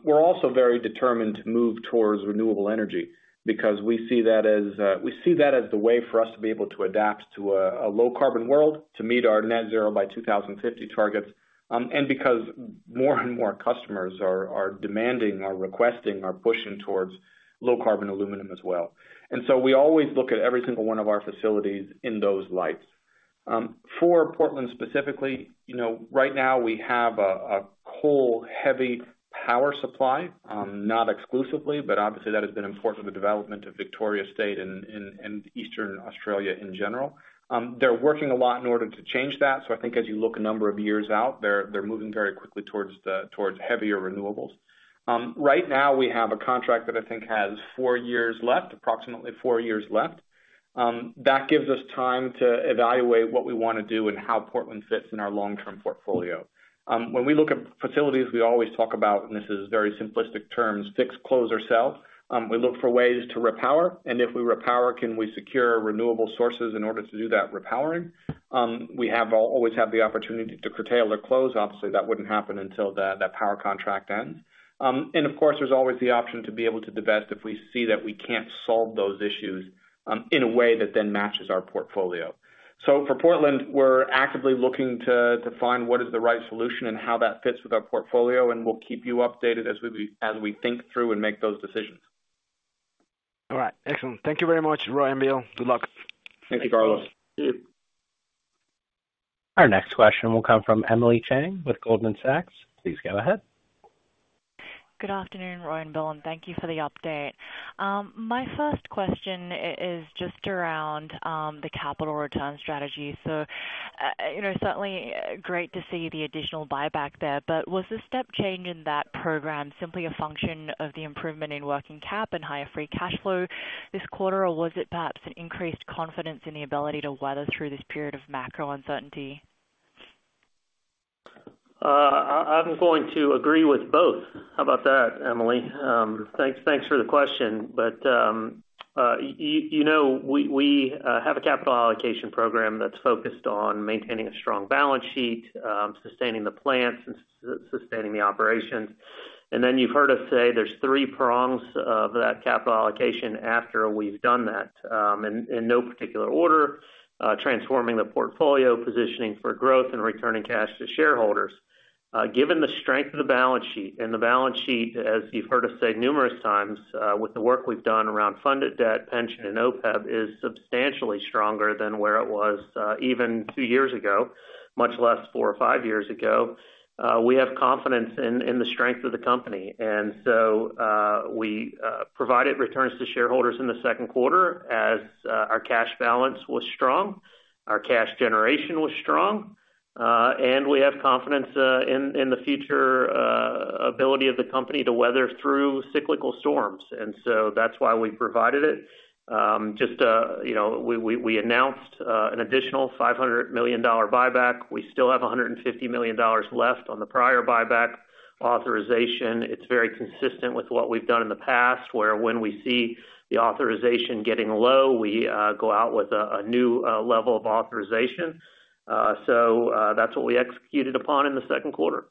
We're also very determined to move towards renewable energy because we see that as the way for us to be able to adapt to a low-carbon world, to meet our net zero by 2050 targets. Because more and more customers are demanding or requesting or pushing towards low-carbon aluminum as well. We always look at every single one of our facilities in those lights. For Portland specifically, you know, right now we have a coal-heavy power supply, not exclusively, but obviously that has been important for the development of Victoria State and Eastern Australia in general. They're working a lot in order to change that. I think as you look a number of years out, they're moving very quickly towards heavier renewables. Right now, we have a contract that I think has four years left, approximately four years left. That gives us time to evaluate what we wanna do and how Portland fits in our long-term portfolio. When we look at facilities, we always talk about, and this is very simplistic terms, fix, close or sell. We look for ways to repower, and if we repower, can we secure renewable sources in order to do that repowering? We always have the opportunity to curtail or close. Obviously, that wouldn't happen until that power contract ends. Of course, there's always the option to be able to divest if we see that we can't solve those issues in a way that then matches our portfolio. For Portland, we're actively looking to find what is the right solution and how that fits with our portfolio, and we'll keep you updated as we think through and make those decisions. All right. Excellent. Thank you very much, Roy and Bill. Good luck. Thank you, Carlos. Our next question will come from Emily Chieng with Goldman Sachs. Please go ahead. Good afternoon, Roy and Bill, and thank you for the update. My first question is just around the capital return strategy. You know, certainly great to see the additional buyback there, but was the step change in that program simply a function of the improvement in working cap and higher free cash flow this quarter, or was it perhaps an increased confidence in the ability to weather through this period of macro uncertainty? I'm going to agree with both. How about that, Emily? Thanks for the question. You know, we have a capital allocation program that's focused on maintaining a strong balance sheet, sustaining the plants and sustaining the operations. Then you've heard us say there's three prongs of that capital allocation after we've done that. In no particular order, transforming the portfolio, positioning for growth and returning cash to shareholders. Given the strength of the balance sheet, and the balance sheet, as you've heard us say numerous times, with the work we've done around funded debt, pension and OPEB is substantially stronger than where it was, even two years ago, much less four or five years ago. We have confidence in the strength of the company. We provided returns to shareholders in the second quarter as our cash balance was strong, our cash generation was strong, and we have confidence in the future ability of the company to weather through cyclical storms. That's why we provided it. Just, you know, we announced an additional $500 million buyback. We still have $150 million left on the prior buyback authorization. It's very consistent with what we've done in the past, where when we see the authorization getting low, we go out with a new level of authorization. That's what we executed upon in the second quarter.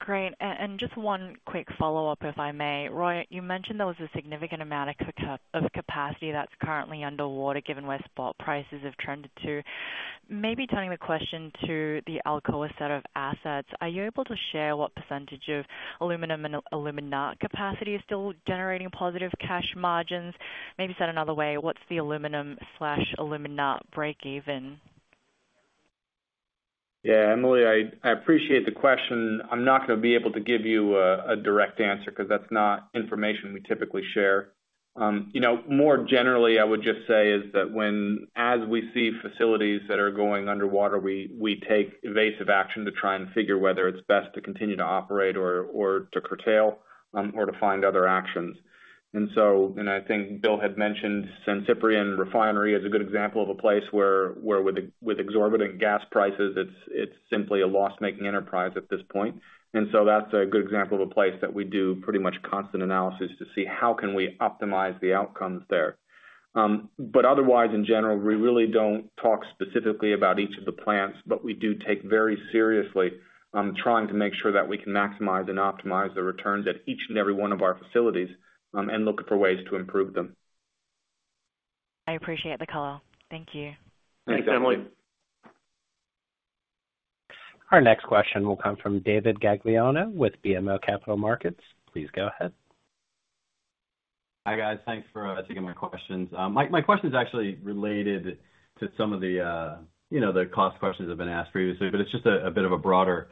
Great. Just one quick follow-up, if I may. Roy, you mentioned there was a significant amount of capacity that's currently underwater given where spot prices have trended to. Maybe turning the question to the Alcoa set of assets, are you able to share what percentage of Aluminum and Alumina capacity is still generating positive cash margins? Maybe said another way, what's the Aluminum/Alumina break even? Yeah, Emily, I appreciate the question. I'm not gonna be able to give you a direct answer 'cause that's not information we typically share. You know, more generally, I would just say is that when, as we see facilities that are going underwater, we take evasive action to try and figure whether it's best to continue to operate or to curtail or to find other actions. I think Bill had mentioned San Ciprián refinery as a good example of a place where with exorbitant gas prices, it's simply a loss-making enterprise at this point. That's a good example of a place that we do pretty much constant analysis to see how can we optimize the outcomes there. Otherwise, in general, we really don't talk specifically about each of the plants, but we do take very seriously trying to make sure that we can maximize and optimize the returns at each and every one of our facilities, and look for ways to improve them. I appreciate the color. Thank you. Thanks, Emily. Our next question will come from David Gagliano with BMO Capital Markets. Please go ahead. Hi, guys. Thanks for taking my questions. My question is actually related to some of the, you know, the cost questions that have been asked previously, but it's just a bit of a broader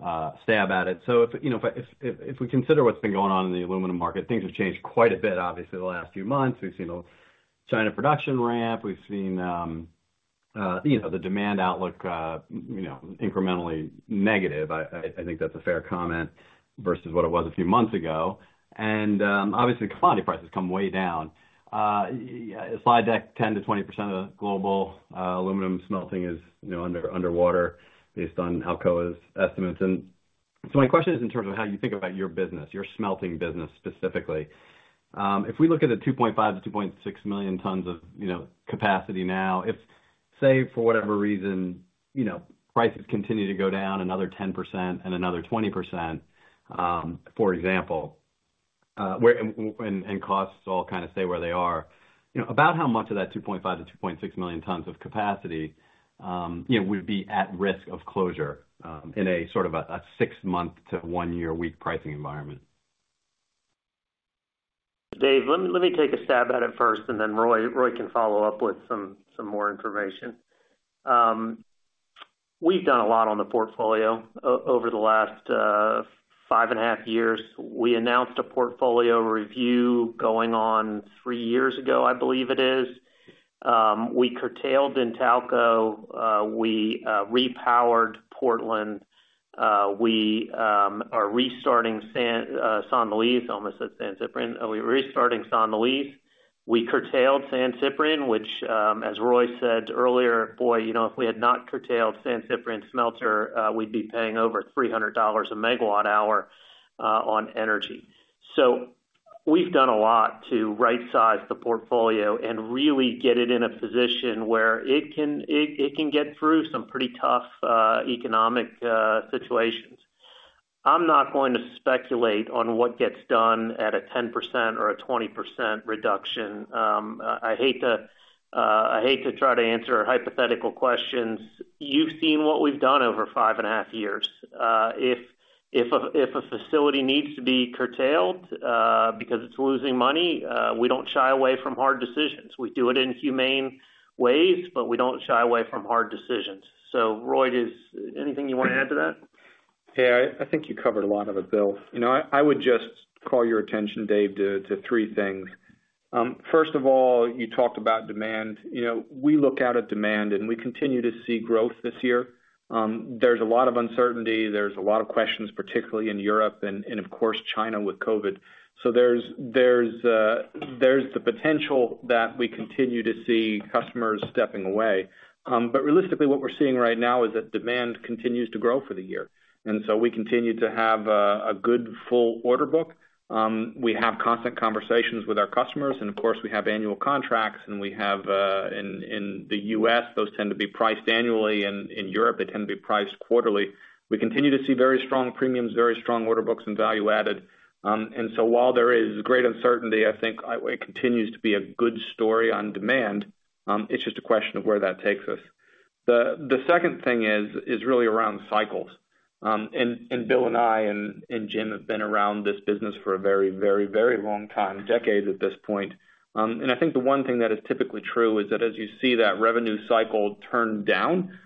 stab at it. If you know, if we consider what's been going on in the aluminum market, things have changed quite a bit, obviously, the last few months. We've seen a China production ramp. We've seen you know, the demand outlook you know, incrementally negative. I think that's a fair comment versus what it was a few months ago. Obviously, commodity prices come way down. Slide deck 10%-20% of the global aluminum smelting is, you know, underwater based on Alcoa's estimates. My question is in terms of how you think about your business, your smelting business specifically. If we look at the 2.5-2.6 million tons of, you know, capacity now, if say, for whatever reason, you know, prices continue to go down another 10% and another 20%, for example, and costs all kind of stay where they are. You know, about how much of that 2.5-2.6 million tons of capacity, you know, would be at risk of closure in a sort of six-month to one-year weak pricing environment? Dave, let me take a stab at it first and then Roy can follow up with some more information. We've done a lot on the portfolio over the last five and a half years. We announced a portfolio review going on three years ago, I believe it is. We curtailed Intalco, we repowered Portland. We are restarting São Luís, I almost said San Ciprián. We're restarting São Luís. We curtailed San Ciprián, which, as Roy said earlier, boy, you know, if we had not curtailed San Ciprián smelter, we'd be paying over $300 a megawatt hour on energy. We've done a lot to right-size the portfolio and really get it in a position where it can get through some pretty tough economic situations. I'm not going to speculate on what gets done at a 10% or a 20% reduction. I hate to try to answer hypothetical questions. You've seen what we've done over five and half years. If a facility needs to be curtailed because it's losing money, we don't shy away from hard decisions. We do it in humane ways, but we don't shy away from hard decisions. Roy, is anything you want to add to that? Yeah. I think you covered a lot of it, Bill. You know, I would just call your attention, Dave, to three things. First of all, you talked about demand. You know, we look out at demand, and we continue to see growth this year. There's a lot of uncertainty. There's a lot of questions, particularly in Europe and of course, China with COVID. There's the potential that we continue to see customers stepping away. But realistically, what we're seeing right now is that demand continues to grow for the year. We continue to have a good full order book. We have constant conversations with our customers, and of course, we have annual contracts, and we have in the U.S., those tend to be priced annually, and in Europe, they tend to be priced quarterly. We continue to see very strong premiums, very strong order books and value added. While there is great uncertainty, I think it continues to be a good story on demand, it's just a question of where that takes us. The second thing is really around cycles. Bill and I and Jim have been around this business for a very long time, decades at this point. I think the one thing that is typically true is that as you see that revenue cycle turn down,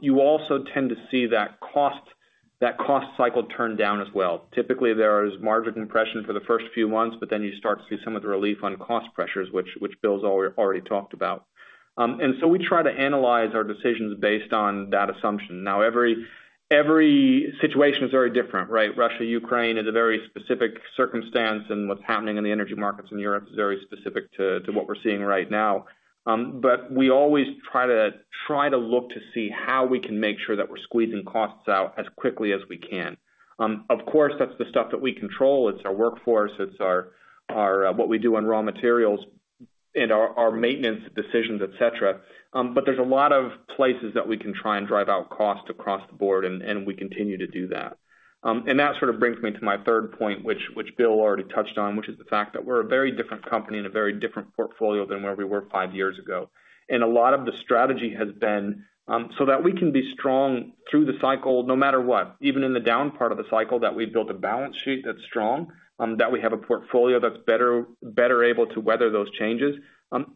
you also tend to see that cost cycle turn down as well. Typically, there is margin compression for the first few months, but then you start to see some of the relief on cost pressures, which Bill's already talked about. We try to analyze our decisions based on that assumption. Now, every situation is very different, right? Russia, Ukraine is a very specific circumstance, and what's happening in the energy markets in Europe is very specific to what we're seeing right now. We always try to look to see how we can make sure that we're squeezing costs out as quickly as we can. Of course, that's the stuff that we control. It's our workforce, it's our what we do on raw materials and our maintenance decisions, et cetera. There's a lot of places that we can try and drive out cost across the board, and we continue to do that. That sort of brings me to my third point, which Bill already touched on, which is the fact that we're a very different company and a very different portfolio than where we were five years ago. A lot of the strategy has been so that we can be strong through the cycle no matter what. Even in the down part of the cycle, that we've built a balance sheet that's strong, that we have a portfolio that's better able to weather those changes.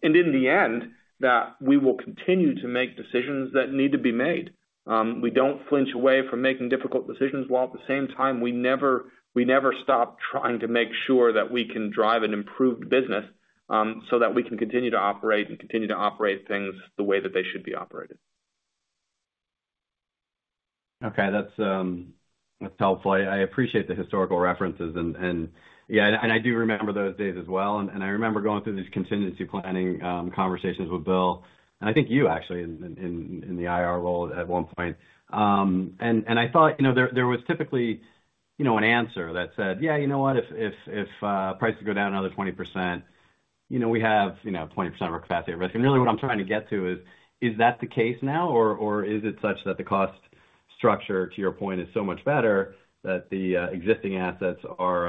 In the end, that we will continue to make decisions that need to be made. We don't flinch away from making difficult decisions, while at the same time, we never stop trying to make sure that we can drive an improved business, so that we can continue to operate and continue to operate things the way that they should be operated. Okay. That's helpful. I appreciate the historical references, and yeah, I do remember those days as well. I remember going through these contingency planning conversations with Bill, and I think you actually in the IR role at one point. I thought, you know, there was typically, you know, an answer that said, "Yeah, you know what? If prices go down another 20%, you know, we have, you know, 20% of our capacity at risk." Really what I'm trying to get to is that the case now, or is it such that the cost structure, to your point, is so much better that the existing assets are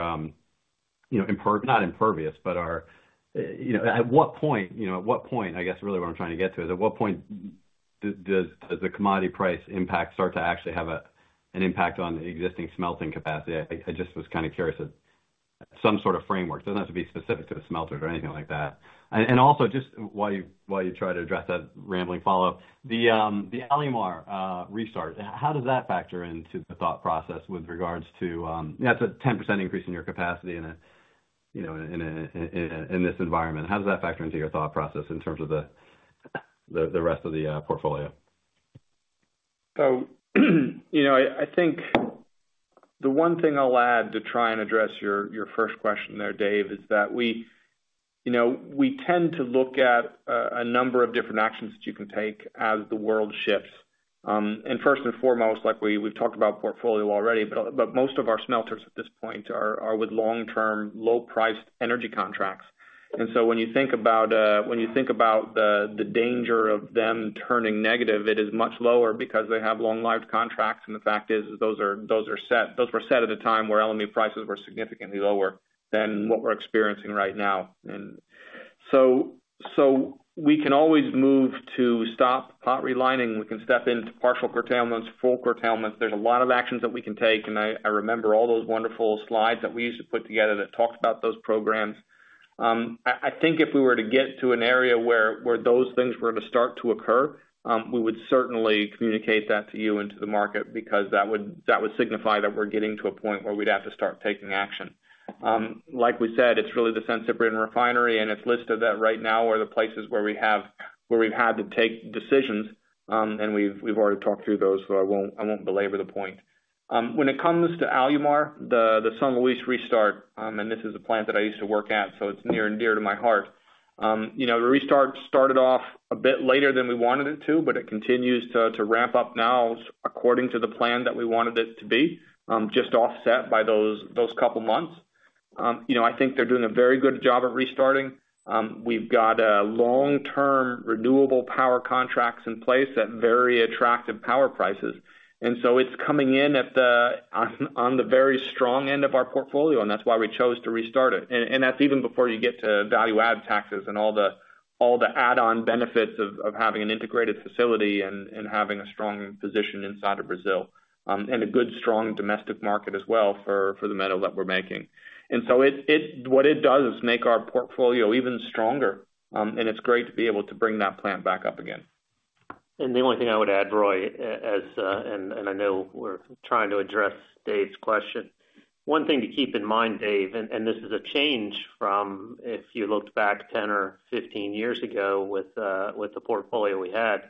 not impervious, but are at what point, I guess, really what I'm trying to get to is, at what point does the commodity price impact start to actually have an impact on the existing smelting capacity? I just was kind of curious of some sort of framework. It doesn't have to be specific to the smelters or anything like that. Also, just while you try to address that rambling follow-up, the Alumar restart, how does that factor into the thought process with regards to that. That's a 10% increase in your capacity in a, you know, in this environment. How does that factor into your thought process in terms of the rest of the portfolio? You know, I think the one thing I'll add to try and address your first question there, Dave, is that we, you know, we tend to look at a number of different actions that you can take as the world shifts. First and foremost, like we've talked about portfolio already, but most of our smelters at this point are with long-term, low-priced energy contracts. When you think about the danger of them turning negative, it is much lower because they have long-lived contracts, and the fact is those are set. Those were set at a time where LME prices were significantly lower than what we're experiencing right now. We can always move to stop pot relining. We can step into partial curtailments, full curtailments. There's a lot of actions that we can take, and I remember all those wonderful slides that we used to put together that talked about those programs. I think if we were to get to an area where those things were to start to occur, we would certainly communicate that to you and to the market because that would signify that we're getting to a point where we'd have to start taking action. Like we said, it's really the San Ciprián refinery, and it's listed that right now are the places where we've had to take decisions, and we've already talked through those, so I won't belabor the point. When it comes to Alumar, the São Luís restart, this is a plant that I used to work at, so it's near and dear to my heart. You know, the restart started off a bit later than we wanted it to, but it continues to ramp up now according to the plan that we wanted it to be, just offset by those couple months. You know, I think they're doing a very good job at restarting. We've got a long-term renewable power contracts in place at very attractive power prices. It's coming in on the very strong end of our portfolio, and that's why we chose to restart it. That's even before you get to value-added taxes and all the add-on benefits of having an integrated facility and having a strong position inside of Brazil, and a good, strong domestic market as well for the metal that we're making. What it does is make our portfolio even stronger, and it's great to be able to bring that plant back up again. The only thing I would add, Roy, as and I know we're trying to address David's question. One thing to keep in mind, David, and this is a change from if you looked back 10 or 15 years ago with the portfolio we had.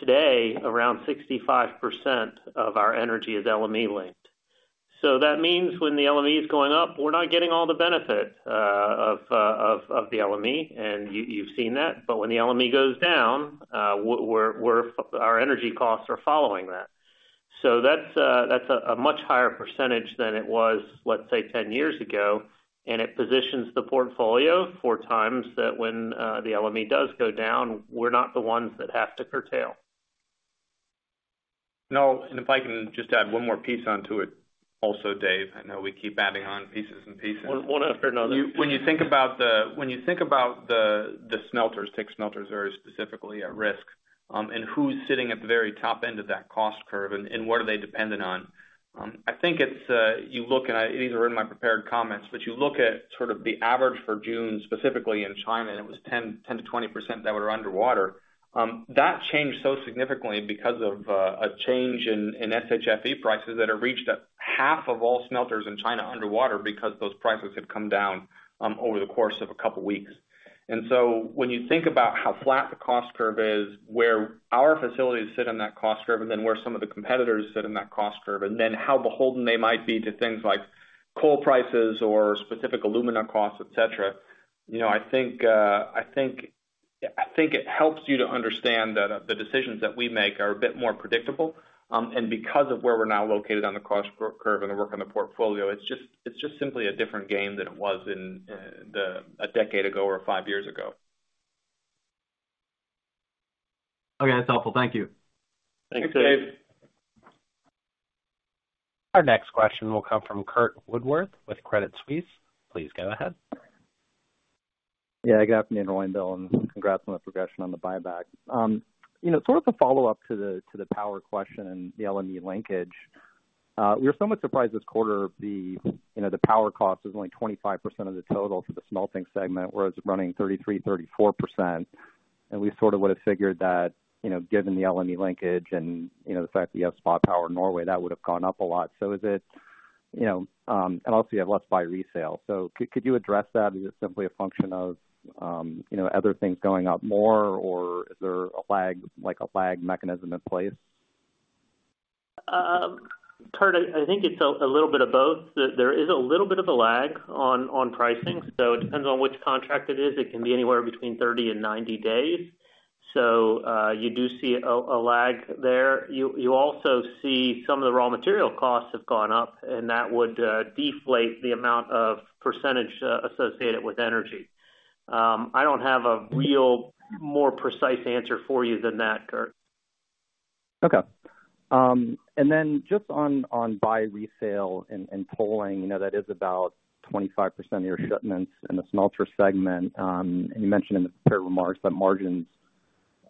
Today, around 65% of our energy is LME linked. So that means when the LME is going up, we're not getting all the benefit of the LME, and you've seen that. But when the LME goes down, our energy costs are following that. So that's a much higher percentage than it was, let's say, 10 years ago, and it positions the portfolio for times when the LME does go down, we're not the ones that have to curtail. No, if I can just add one more piece onto it also, Dave. I know we keep adding on pieces. One after another. When you think about the smelters, take smelters very specifically at risk, and who is sitting at the very top end of that cost curve and what are they dependent on. I think it's you look, and it even was in my prepared comments, but you look at sort of the average for June, specifically in China, and it was 10%-20% that were underwater. That changed so significantly because of a change in SHFE prices that have reached half of all smelters in China underwater because those prices have come down over the course of a couple weeks. When you think about how flat the cost curve is, where our facilities sit on that cost curve, and then where some of the competitors sit in that cost curve, and then how beholden they might be to things like coal prices or specific alumina costs, et cetera, you know, I think it helps you to understand that the decisions that we make are a bit more predictable. Because of where we're now located on the cost curve and the work on the portfolio, it's just simply a different game than it was in a decade ago or five years ago. Okay, that's helpful. Thank you. Thanks, Dave. Thanks, Dave. Our next question will come from Curt Woodworth with Credit Suisse. Please go ahead. Yeah, good afternoon, Roy and Bill, and congrats on the progression on the buyback. You know, sort of a follow-up to the power question and the LME linkage. We were somewhat surprised this quarter, you know, the power cost is only 25% of the total for the smelting segment, whereas running 33%-34%. We sort of would have figured that, you know, given the LME linkage and, you know, the fact that you have spot power in Norway, that would have gone up a lot. Is it, you know, and also you have less buy resale. Could you address that? Is it simply a function of, you know, other things going up more, or is there a lag, like a lag mechanism in place? Curt, I think it's a little bit of both. There is a little bit of a lag on pricing, so it depends on which contract it is. It can be anywhere between 30 and 90 days. You do see a lag there. You also see some of the raw material costs have gone up, and that would deflate the amount of percentage associated with energy. I don't have a real more precise answer for you than that, Curt. Okay. Just on buy resale and tolling, you know, that is about 25% of your shipments in the smelter segment. You mentioned in the prepared remarks that margins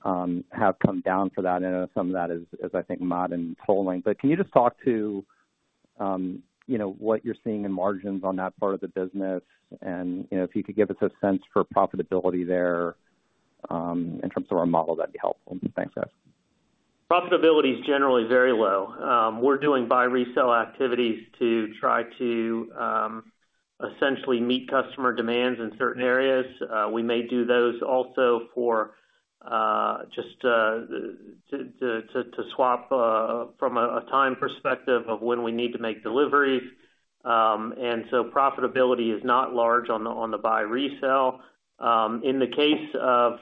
have come down for that, and some of that is, I think, mod and tolling. Can you just talk to, you know, what you're seeing in margins on that part of the business? You know, if you could give us a sense for profitability there in terms of our model, that'd be helpful. Thanks, guys. Profitability is generally very low. We're doing buy-resell activities to try to essentially meet customer demands in certain areas. We may do those also for just to swap from a time perspective of when we need to make deliveries. Profitability is not large on the buy-resell. In the case of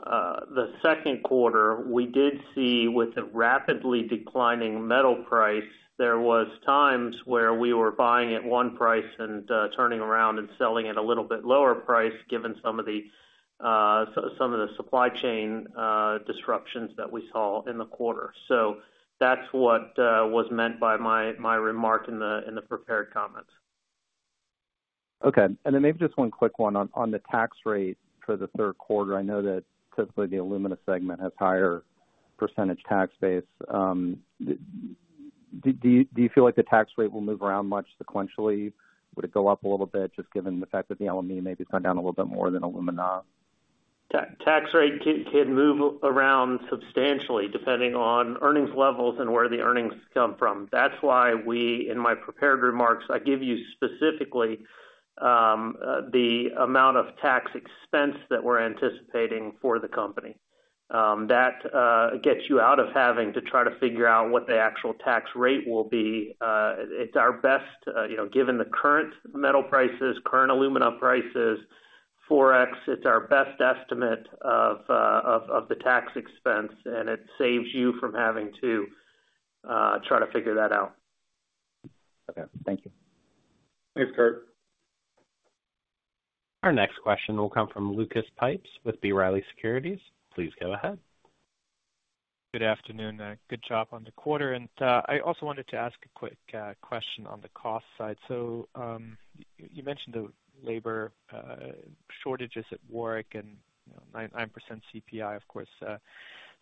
the second quarter, we did see with the rapidly declining metal price, there was times where we were buying at one price and turning around and selling at a little bit lower price given some of the. Some of the supply chain disruptions that we saw in the quarter. That's what was meant by my remark in the prepared comments. Okay. Then maybe just one quick one on the tax rate for the third quarter. I know that typically the Alumina segment has higher percentage tax base. Do you feel like the tax rate will move around much sequentially? Would it go up a little bit just given the fact that the LME maybe is gone down a little bit more than Alumina? Tax rate can move around substantially depending on earnings levels and where the earnings come from. That's why, in my prepared remarks, I give you specifically the amount of tax expense that we're anticipating for the company. That gets you out of having to try to figure out what the actual tax rate will be. It's our best estimate, you know, given the current metal prices, current alumina prices, Forex, of the tax expense, and it saves you from having to try to figure that out. Okay, thank you. Thanks, Curt. Our next question will come from Lucas Pipes with B. Riley Securities. Please go ahead. Good afternoon. Good job on the quarter. I also wanted to ask a quick question on the cost side. You mentioned the labor shortages at Warrick and, you know, 9% CPI, of course,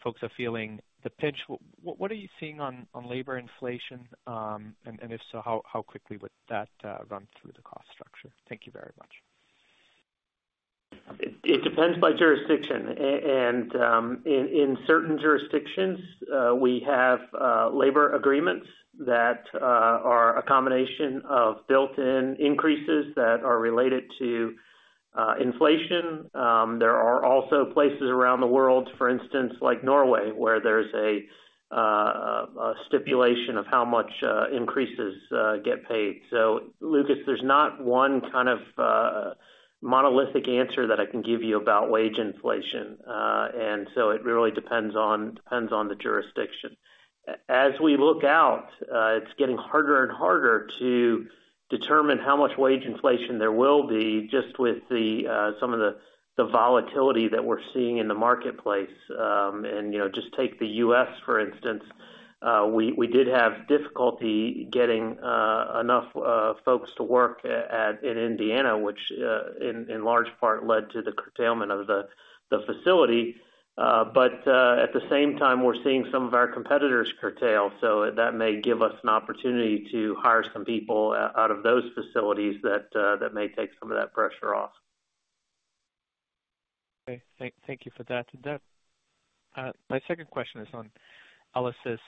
folks are feeling the pinch. What are you seeing on labor inflation? And if so, how quickly would that run through the cost structure? Thank you very much. It depends on jurisdiction. In certain jurisdictions, we have labor agreements that are a combination of built-in increases that are related to inflation. There are also places around the world, for instance, like Norway, where there's a stipulation of how much increases get paid. Lukas, there's not one kind of monolithic answer that I can give you about wage inflation. It really depends on the jurisdiction. As we look out, it's getting harder and harder to determine how much wage inflation there will be just with some of the volatility that we're seeing in the marketplace. You know, just take the U.S., for instance, we did have difficulty getting enough folks to work at in Indiana, which in large part led to the curtailment of the facility. At the same time, we're seeing some of our competitors curtail. That may give us an opportunity to hire some people out of those facilities that may take some of that pressure off. Okay. Thank you for that. My second question is on ELYSIS.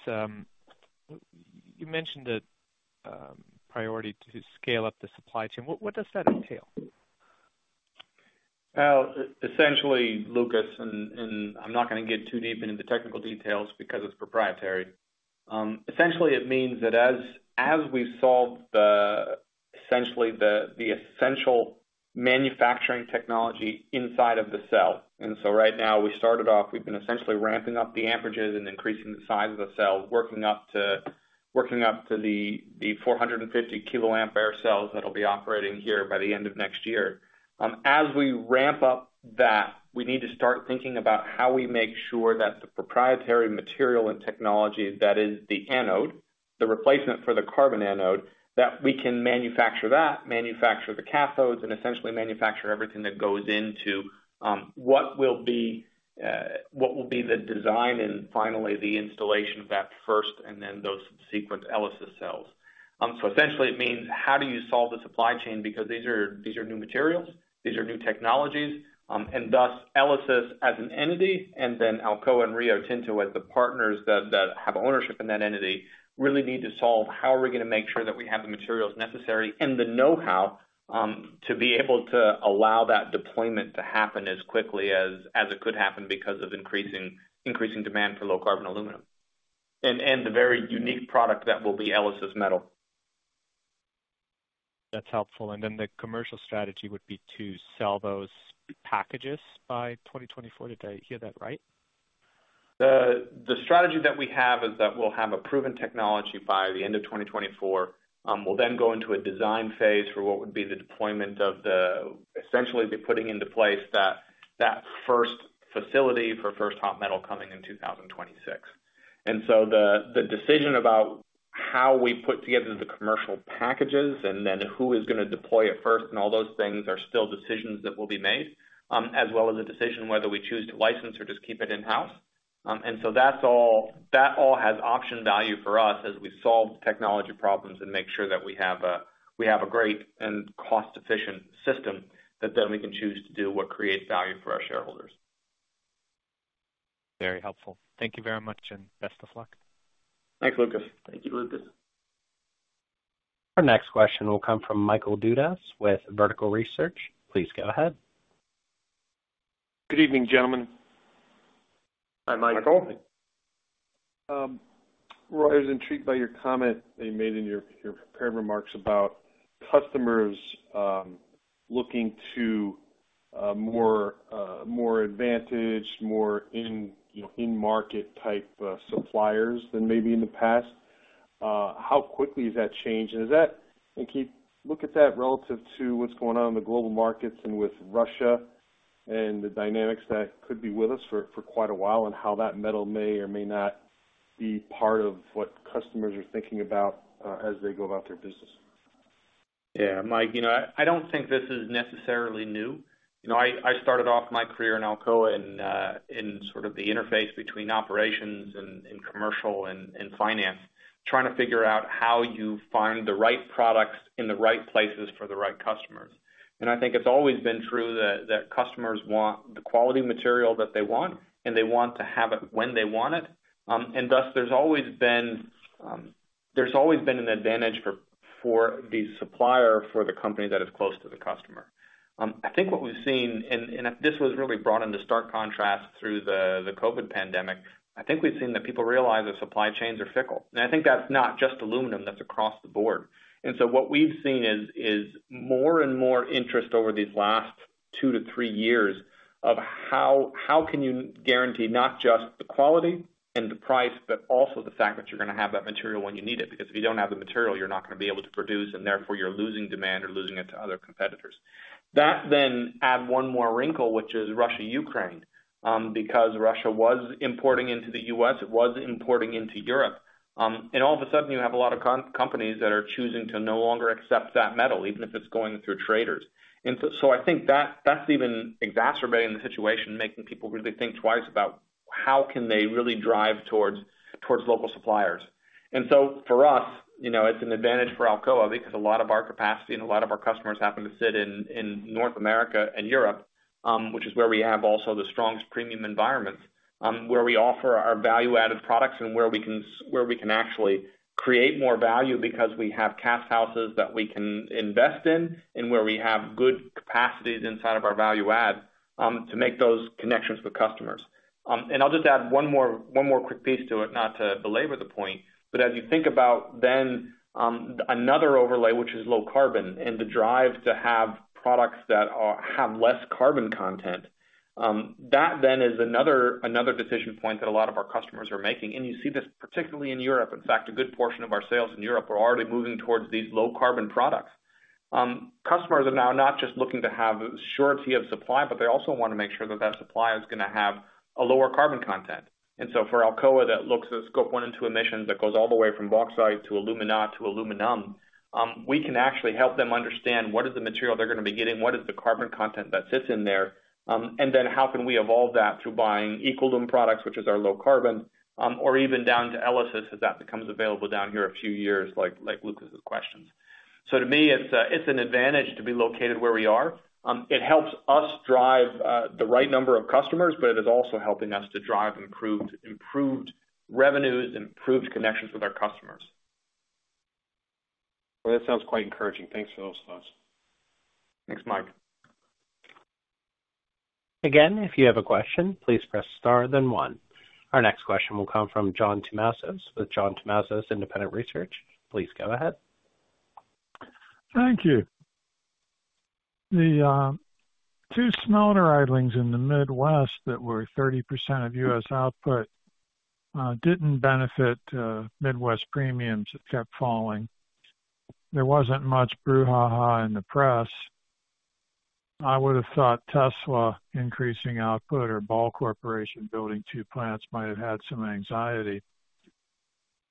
You mentioned the priority to scale up the supply chain. What does that entail? Essentially, Lukas, and I'm not gonna get too deep into the technical details because it's proprietary. Essentially, it means that as we've solved the essential manufacturing technology inside of the cell, right now we've been essentially ramping up the amperages and increasing the size of the cell, working up to the 450 kiloampere cells that'll be operating here by the end of next year. As we ramp up that, we need to start thinking about how we make sure that the proprietary material and technology that is the anode, the replacement for the carbon anode, that we can manufacture that, manufacture the cathodes, and essentially manufacture everything that goes into what will be the design and finally the installation of that first and then those subsequent ELYSIS cells. Essentially it means how do you solve the supply chain because these are new materials, these are new technologies. Thus, ELYSIS as an entity, and then Alcoa and Rio Tinto as the partners that have ownership in that entity, really need to solve how are we gonna make sure that we have the materials necessary and the know-how to be able to allow that deployment to happen as quickly as it could happen because of increasing demand for low carbon aluminum, the very unique product that will be ELYSIS metal. That's helpful. The commercial strategy would be to sell those packages by 2024. Did I hear that right? The strategy that we have is that we'll have a proven technology by the end of 2024. We'll then go into a design phase for what would be the deployment of essentially putting into place that first facility for first hot metal coming in 2026. The decision about how we put together the commercial packages and then who is gonna deploy it first and all those things are still decisions that will be made, as well as the decision whether we choose to license or just keep it in-house. That all has option value for us as we solve technology problems and make sure that we have a great and cost-efficient system that then we can choose to do what creates value for our shareholders. Very helpful. Thank you very much, and best of luck. Thanks, Lucas. Thank you, Lucas. Our next question will come from Michael Dudas with Vertical Research. Please go ahead. Good evening, gentlemen. Hi, Michael. Michael. Roy, I was intrigued by your comment that you made in your prepared remarks about customers looking to more advantaged, more in-market type suppliers than maybe in the past. How quickly is that changing? And can you look at that relative to what's going on in the global markets and with Russia and the dynamics that could be with us for quite a while, and how that metal may or may not be part of what customers are thinking about as they go about their business. Yeah. Mike, you know, I don't think this is necessarily new. You know, I started off my career in Alcoa in sort of the interface between operations and commercial and finance, trying to figure out how you find the right products in the right places for the right customers. I think it's always been true that customers want the quality material that they want, and they want to have it when they want it. Thus, there's always been an advantage for the supplier, for the company that is close to the customer. I think what we've seen and this was really brought into stark contrast through the COVID pandemic. I think we've seen that people realize that supply chains are fickle. I think that's not just aluminum, that's across the board. What we've seen is more and more interest over these last two to three years of how can you guarantee not just the quality and the price, but also the fact that you're gonna have that material when you need it. Because if you don't have the material, you're not gonna be able to produce, and therefore you're losing demand or losing it to other competitors. That then add one more wrinkle, which is Russia, Ukraine, because Russia was importing into the U.S., it was importing into Europe. And all of a sudden, you have a lot of companies that are choosing to no longer accept that metal, even if it's going through traders. I think that that's even exacerbating the situation, making people really think twice about how can they really drive towards local suppliers. For us, you know, it's an advantage for Alcoa because a lot of our capacity and a lot of our customers happen to sit in North America and Europe, which is where we have also the strongest premium environments, where we offer our value-added products and where we can actually create more value because we have cast houses that we can invest in and where we have good capacities inside of our value add, to make those connections with customers. I'll just add one more quick piece to it, not to belabor the point, but as you think about then, another overlay, which is low carbon and the drive to have products that have less carbon content, that then is another decision point that a lot of our customers are making. You see this particularly in Europe. In fact, a good portion of our sales in Europe are already moving towards these low carbon products. Customers are now not just looking to have surety of supply, but they also wanna make sure that that supply is gonna have a lower carbon content. For Alcoa, that looks at scope one and two emissions that goes all the way from Bauxite to Alumina to Aluminum. We can actually help them understand what is the material they're gonna be getting, what is the carbon content that sits in there, and then how can we evolve that through buying EcoLum products, which is our low carbon, or even down to ELYSIS as that becomes available down here a few years like Lucas' questions. To me, it's an advantage to be located where we are. It helps us drive the right number of customers, but it is also helping us to drive improved revenues, improved connections with our customers. Well, that sounds quite encouraging. Thanks for those thoughts. Thanks, Mike. Again, if you have a question, please press star then one. Our next question will come from John Tumazos with John Tumazos Independent Research. Please go ahead. Thank you. The two smaller idlings in the Midwest that were 30% of U.S. output didn't benefit Midwest premiums. It kept falling. There wasn't much brouhaha in the press. I would have thought Tesla increasing output or Ball Corporation building two plants might have had some anxiety.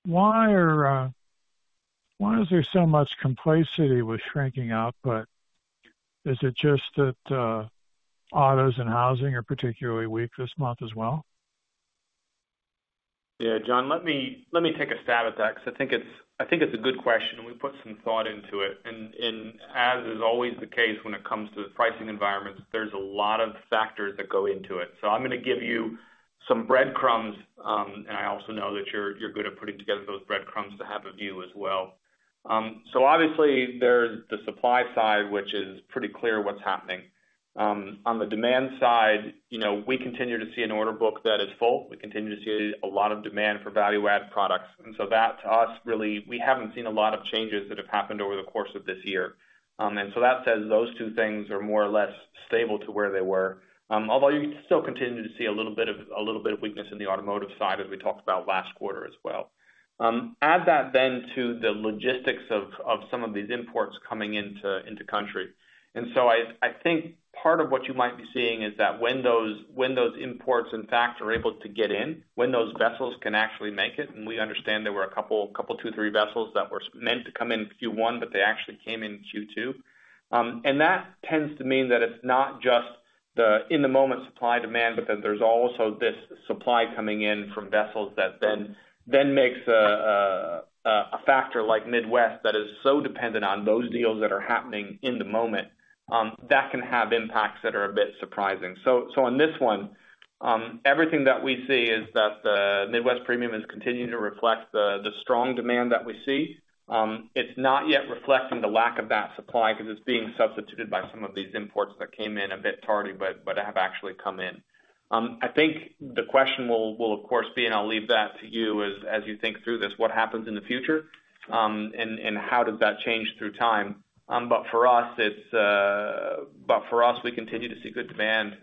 Why is there so much complacency with shrinking output? Is it just that autos and housing are particularly weak this month as well? Yeah, John, let me take a stab at that 'cause I think it's a good question. We put some thought into it. As is always the case when it comes to the pricing environments, there's a lot of factors that go into it. I'm gonna give you some breadcrumbs, and I also know that you're good at putting together those breadcrumbs to have a view as well. Obviously there's the supply side, which is pretty clear what's happening. On the demand side, you know, we continue to see an order book that is full. We continue to see a lot of demand for value add products. That to us, really, we haven't seen a lot of changes that have happened over the course of this year. That says those two things are more or less stable to where they were. Although you still continue to see a little bit of weakness in the automotive side as we talked about last quarter as well. Add that then to the logistics of some of these imports coming into country. I think part of what you might be seeing is that when those imports, in fact, are able to get in, when those vessels can actually make it, and we understand there were a couple, two, three vessels that were meant to come in Q1, but they actually came in Q2. That tends to mean that it's not just the in the moment supply demand, but then there's also this supply coming in from vessels that then makes a factor like Midwest that is so dependent on those deals that are happening in the moment, that can have impacts that are a bit surprising. On this one, everything that we see is that the Midwest Premium is continuing to reflect the strong demand that we see. It's not yet reflecting the lack of that supply 'cause it's being substituted by some of these imports that came in a bit tardy, but have actually come in. I think the question will of course be, and I'll leave that to you as you think through this, what happens in the future? How does that change through time? For us, we continue to see good demand,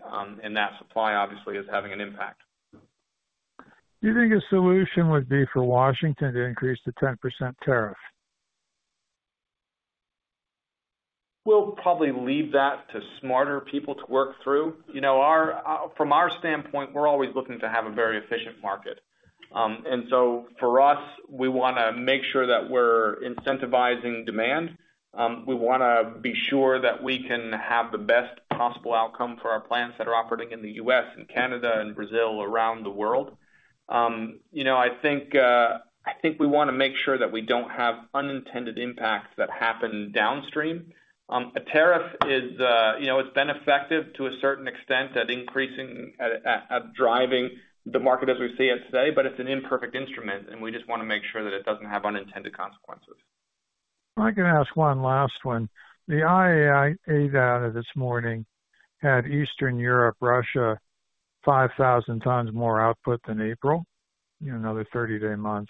and that supply obviously is having an impact. Do you think a solution would be for Washington to increase the 10% tariff? We'll probably leave that to smarter people to work through. You know, from our standpoint, we're always looking to have a very efficient market. For us, we wanna make sure that we're incentivizing demand. We wanna be sure that we can have the best possible outcome for our plants that are operating in the U.S. and Canada and Brazil, around the world. You know, I think we wanna make sure that we don't have unintended impacts that happen downstream. A tariff is, you know, it's been effective to a certain extent at increasing, at driving the market as we see it today, but it's an imperfect instrument, and we just wanna make sure that it doesn't have unintended consequences. I can ask one last one. The IAI data this morning had Eastern Europe, Russia, 5,000 times more output than April, you know, the 30-day month.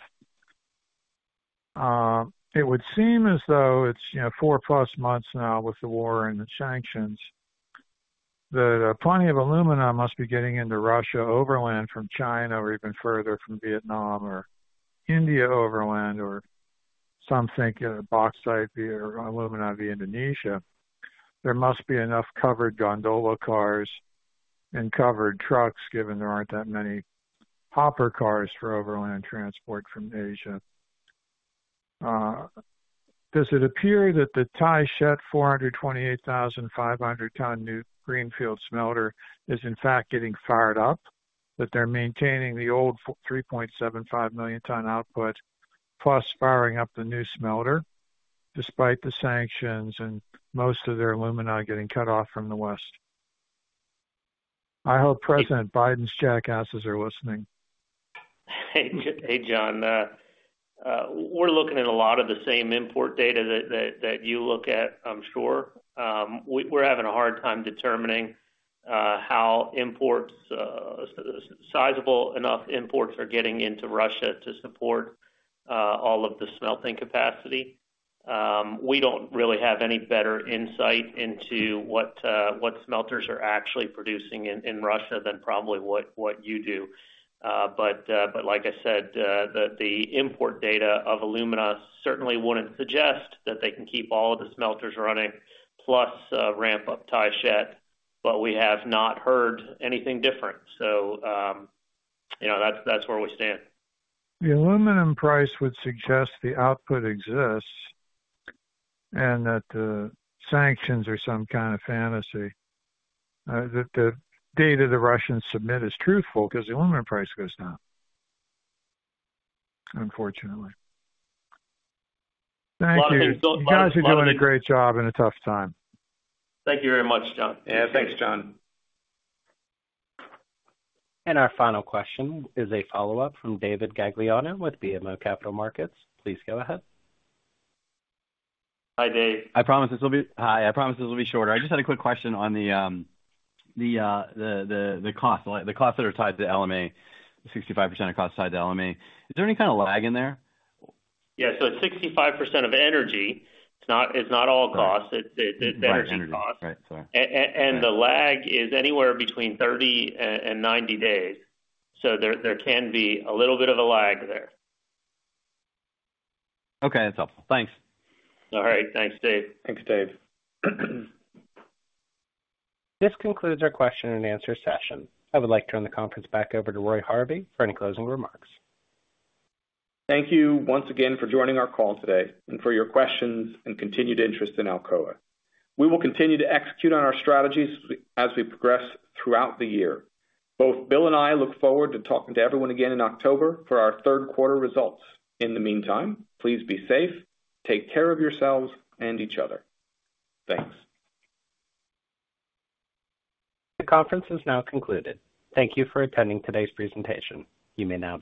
It would seem as though it's, you know, four plus months now with the war and the sanctions that plenty of Alumina must be getting into Russia overland from China or even further from Vietnam or India overland or something, you know, Bauxite or Alumina via Indonesia. There must be enough covered gondola cars and covered trucks, given there aren't that many hopper cars for overland transport from Asia. Does it appear that the Taishet 428,500-ton new greenfield smelter is in fact getting fired up, that they're maintaining the old 3.75 million ton output, plus firing up the new smelter despite the sanctions and most of their alumina getting cut off from the West? I hope President Biden's jackasses are listening. Hey, John. We're looking at a lot of the same import data that you look at, I'm sure. We're having a hard time determining how sizable enough imports are getting into Russia to support all of the smelting capacity. We don't really have any better insight into what smelters are actually producing in Russia than probably what you do. But like I said, the import data of Alumina certainly wouldn't suggest that they can keep all of the smelters running plus ramp up Taishet, but we have not heard anything different. You know, that's where we stand. The aluminum price would suggest the output exists and that the sanctions are some kind of fantasy. That the data the Russians submit is truthful 'cause the aluminum price goes down, unfortunately. Thank you. Well, I think so. You guys are doing a great job in a tough time. Thank you very much, John. Yeah, thanks, John. Our final question is a follow-up from David Gagliano with BMO Capital Markets. Please go ahead. Hi, Dave. Hi, I promise this will be shorter. I just had a quick question on the cost, like the costs that are tied to LME, 65% of costs tied to LME. Is there any kind of lag in there? Yeah. 65% of energy. It's not all costs. Right. It's energy costs. Right. Sorry. The lag is anywhere between 30 and 90 days. There can be a little bit of a lag there. Okay, that's helpful. Thanks. All right. Thanks, David. Thanks, Dave. This concludes our question-and-answer session. I would like to turn the conference back over to Roy Harvey for any closing remarks. Thank you once again for joining our call today and for your questions and continued interest in Alcoa. We will continue to execute on our strategies as we progress throughout the year. Both Bill and I look forward to talking to everyone again in October for our third quarter results. In the meantime, please be safe, take care of yourselves and each other. Thanks. The conference is now concluded. Thank you for attending today's presentation. You may now disconnect.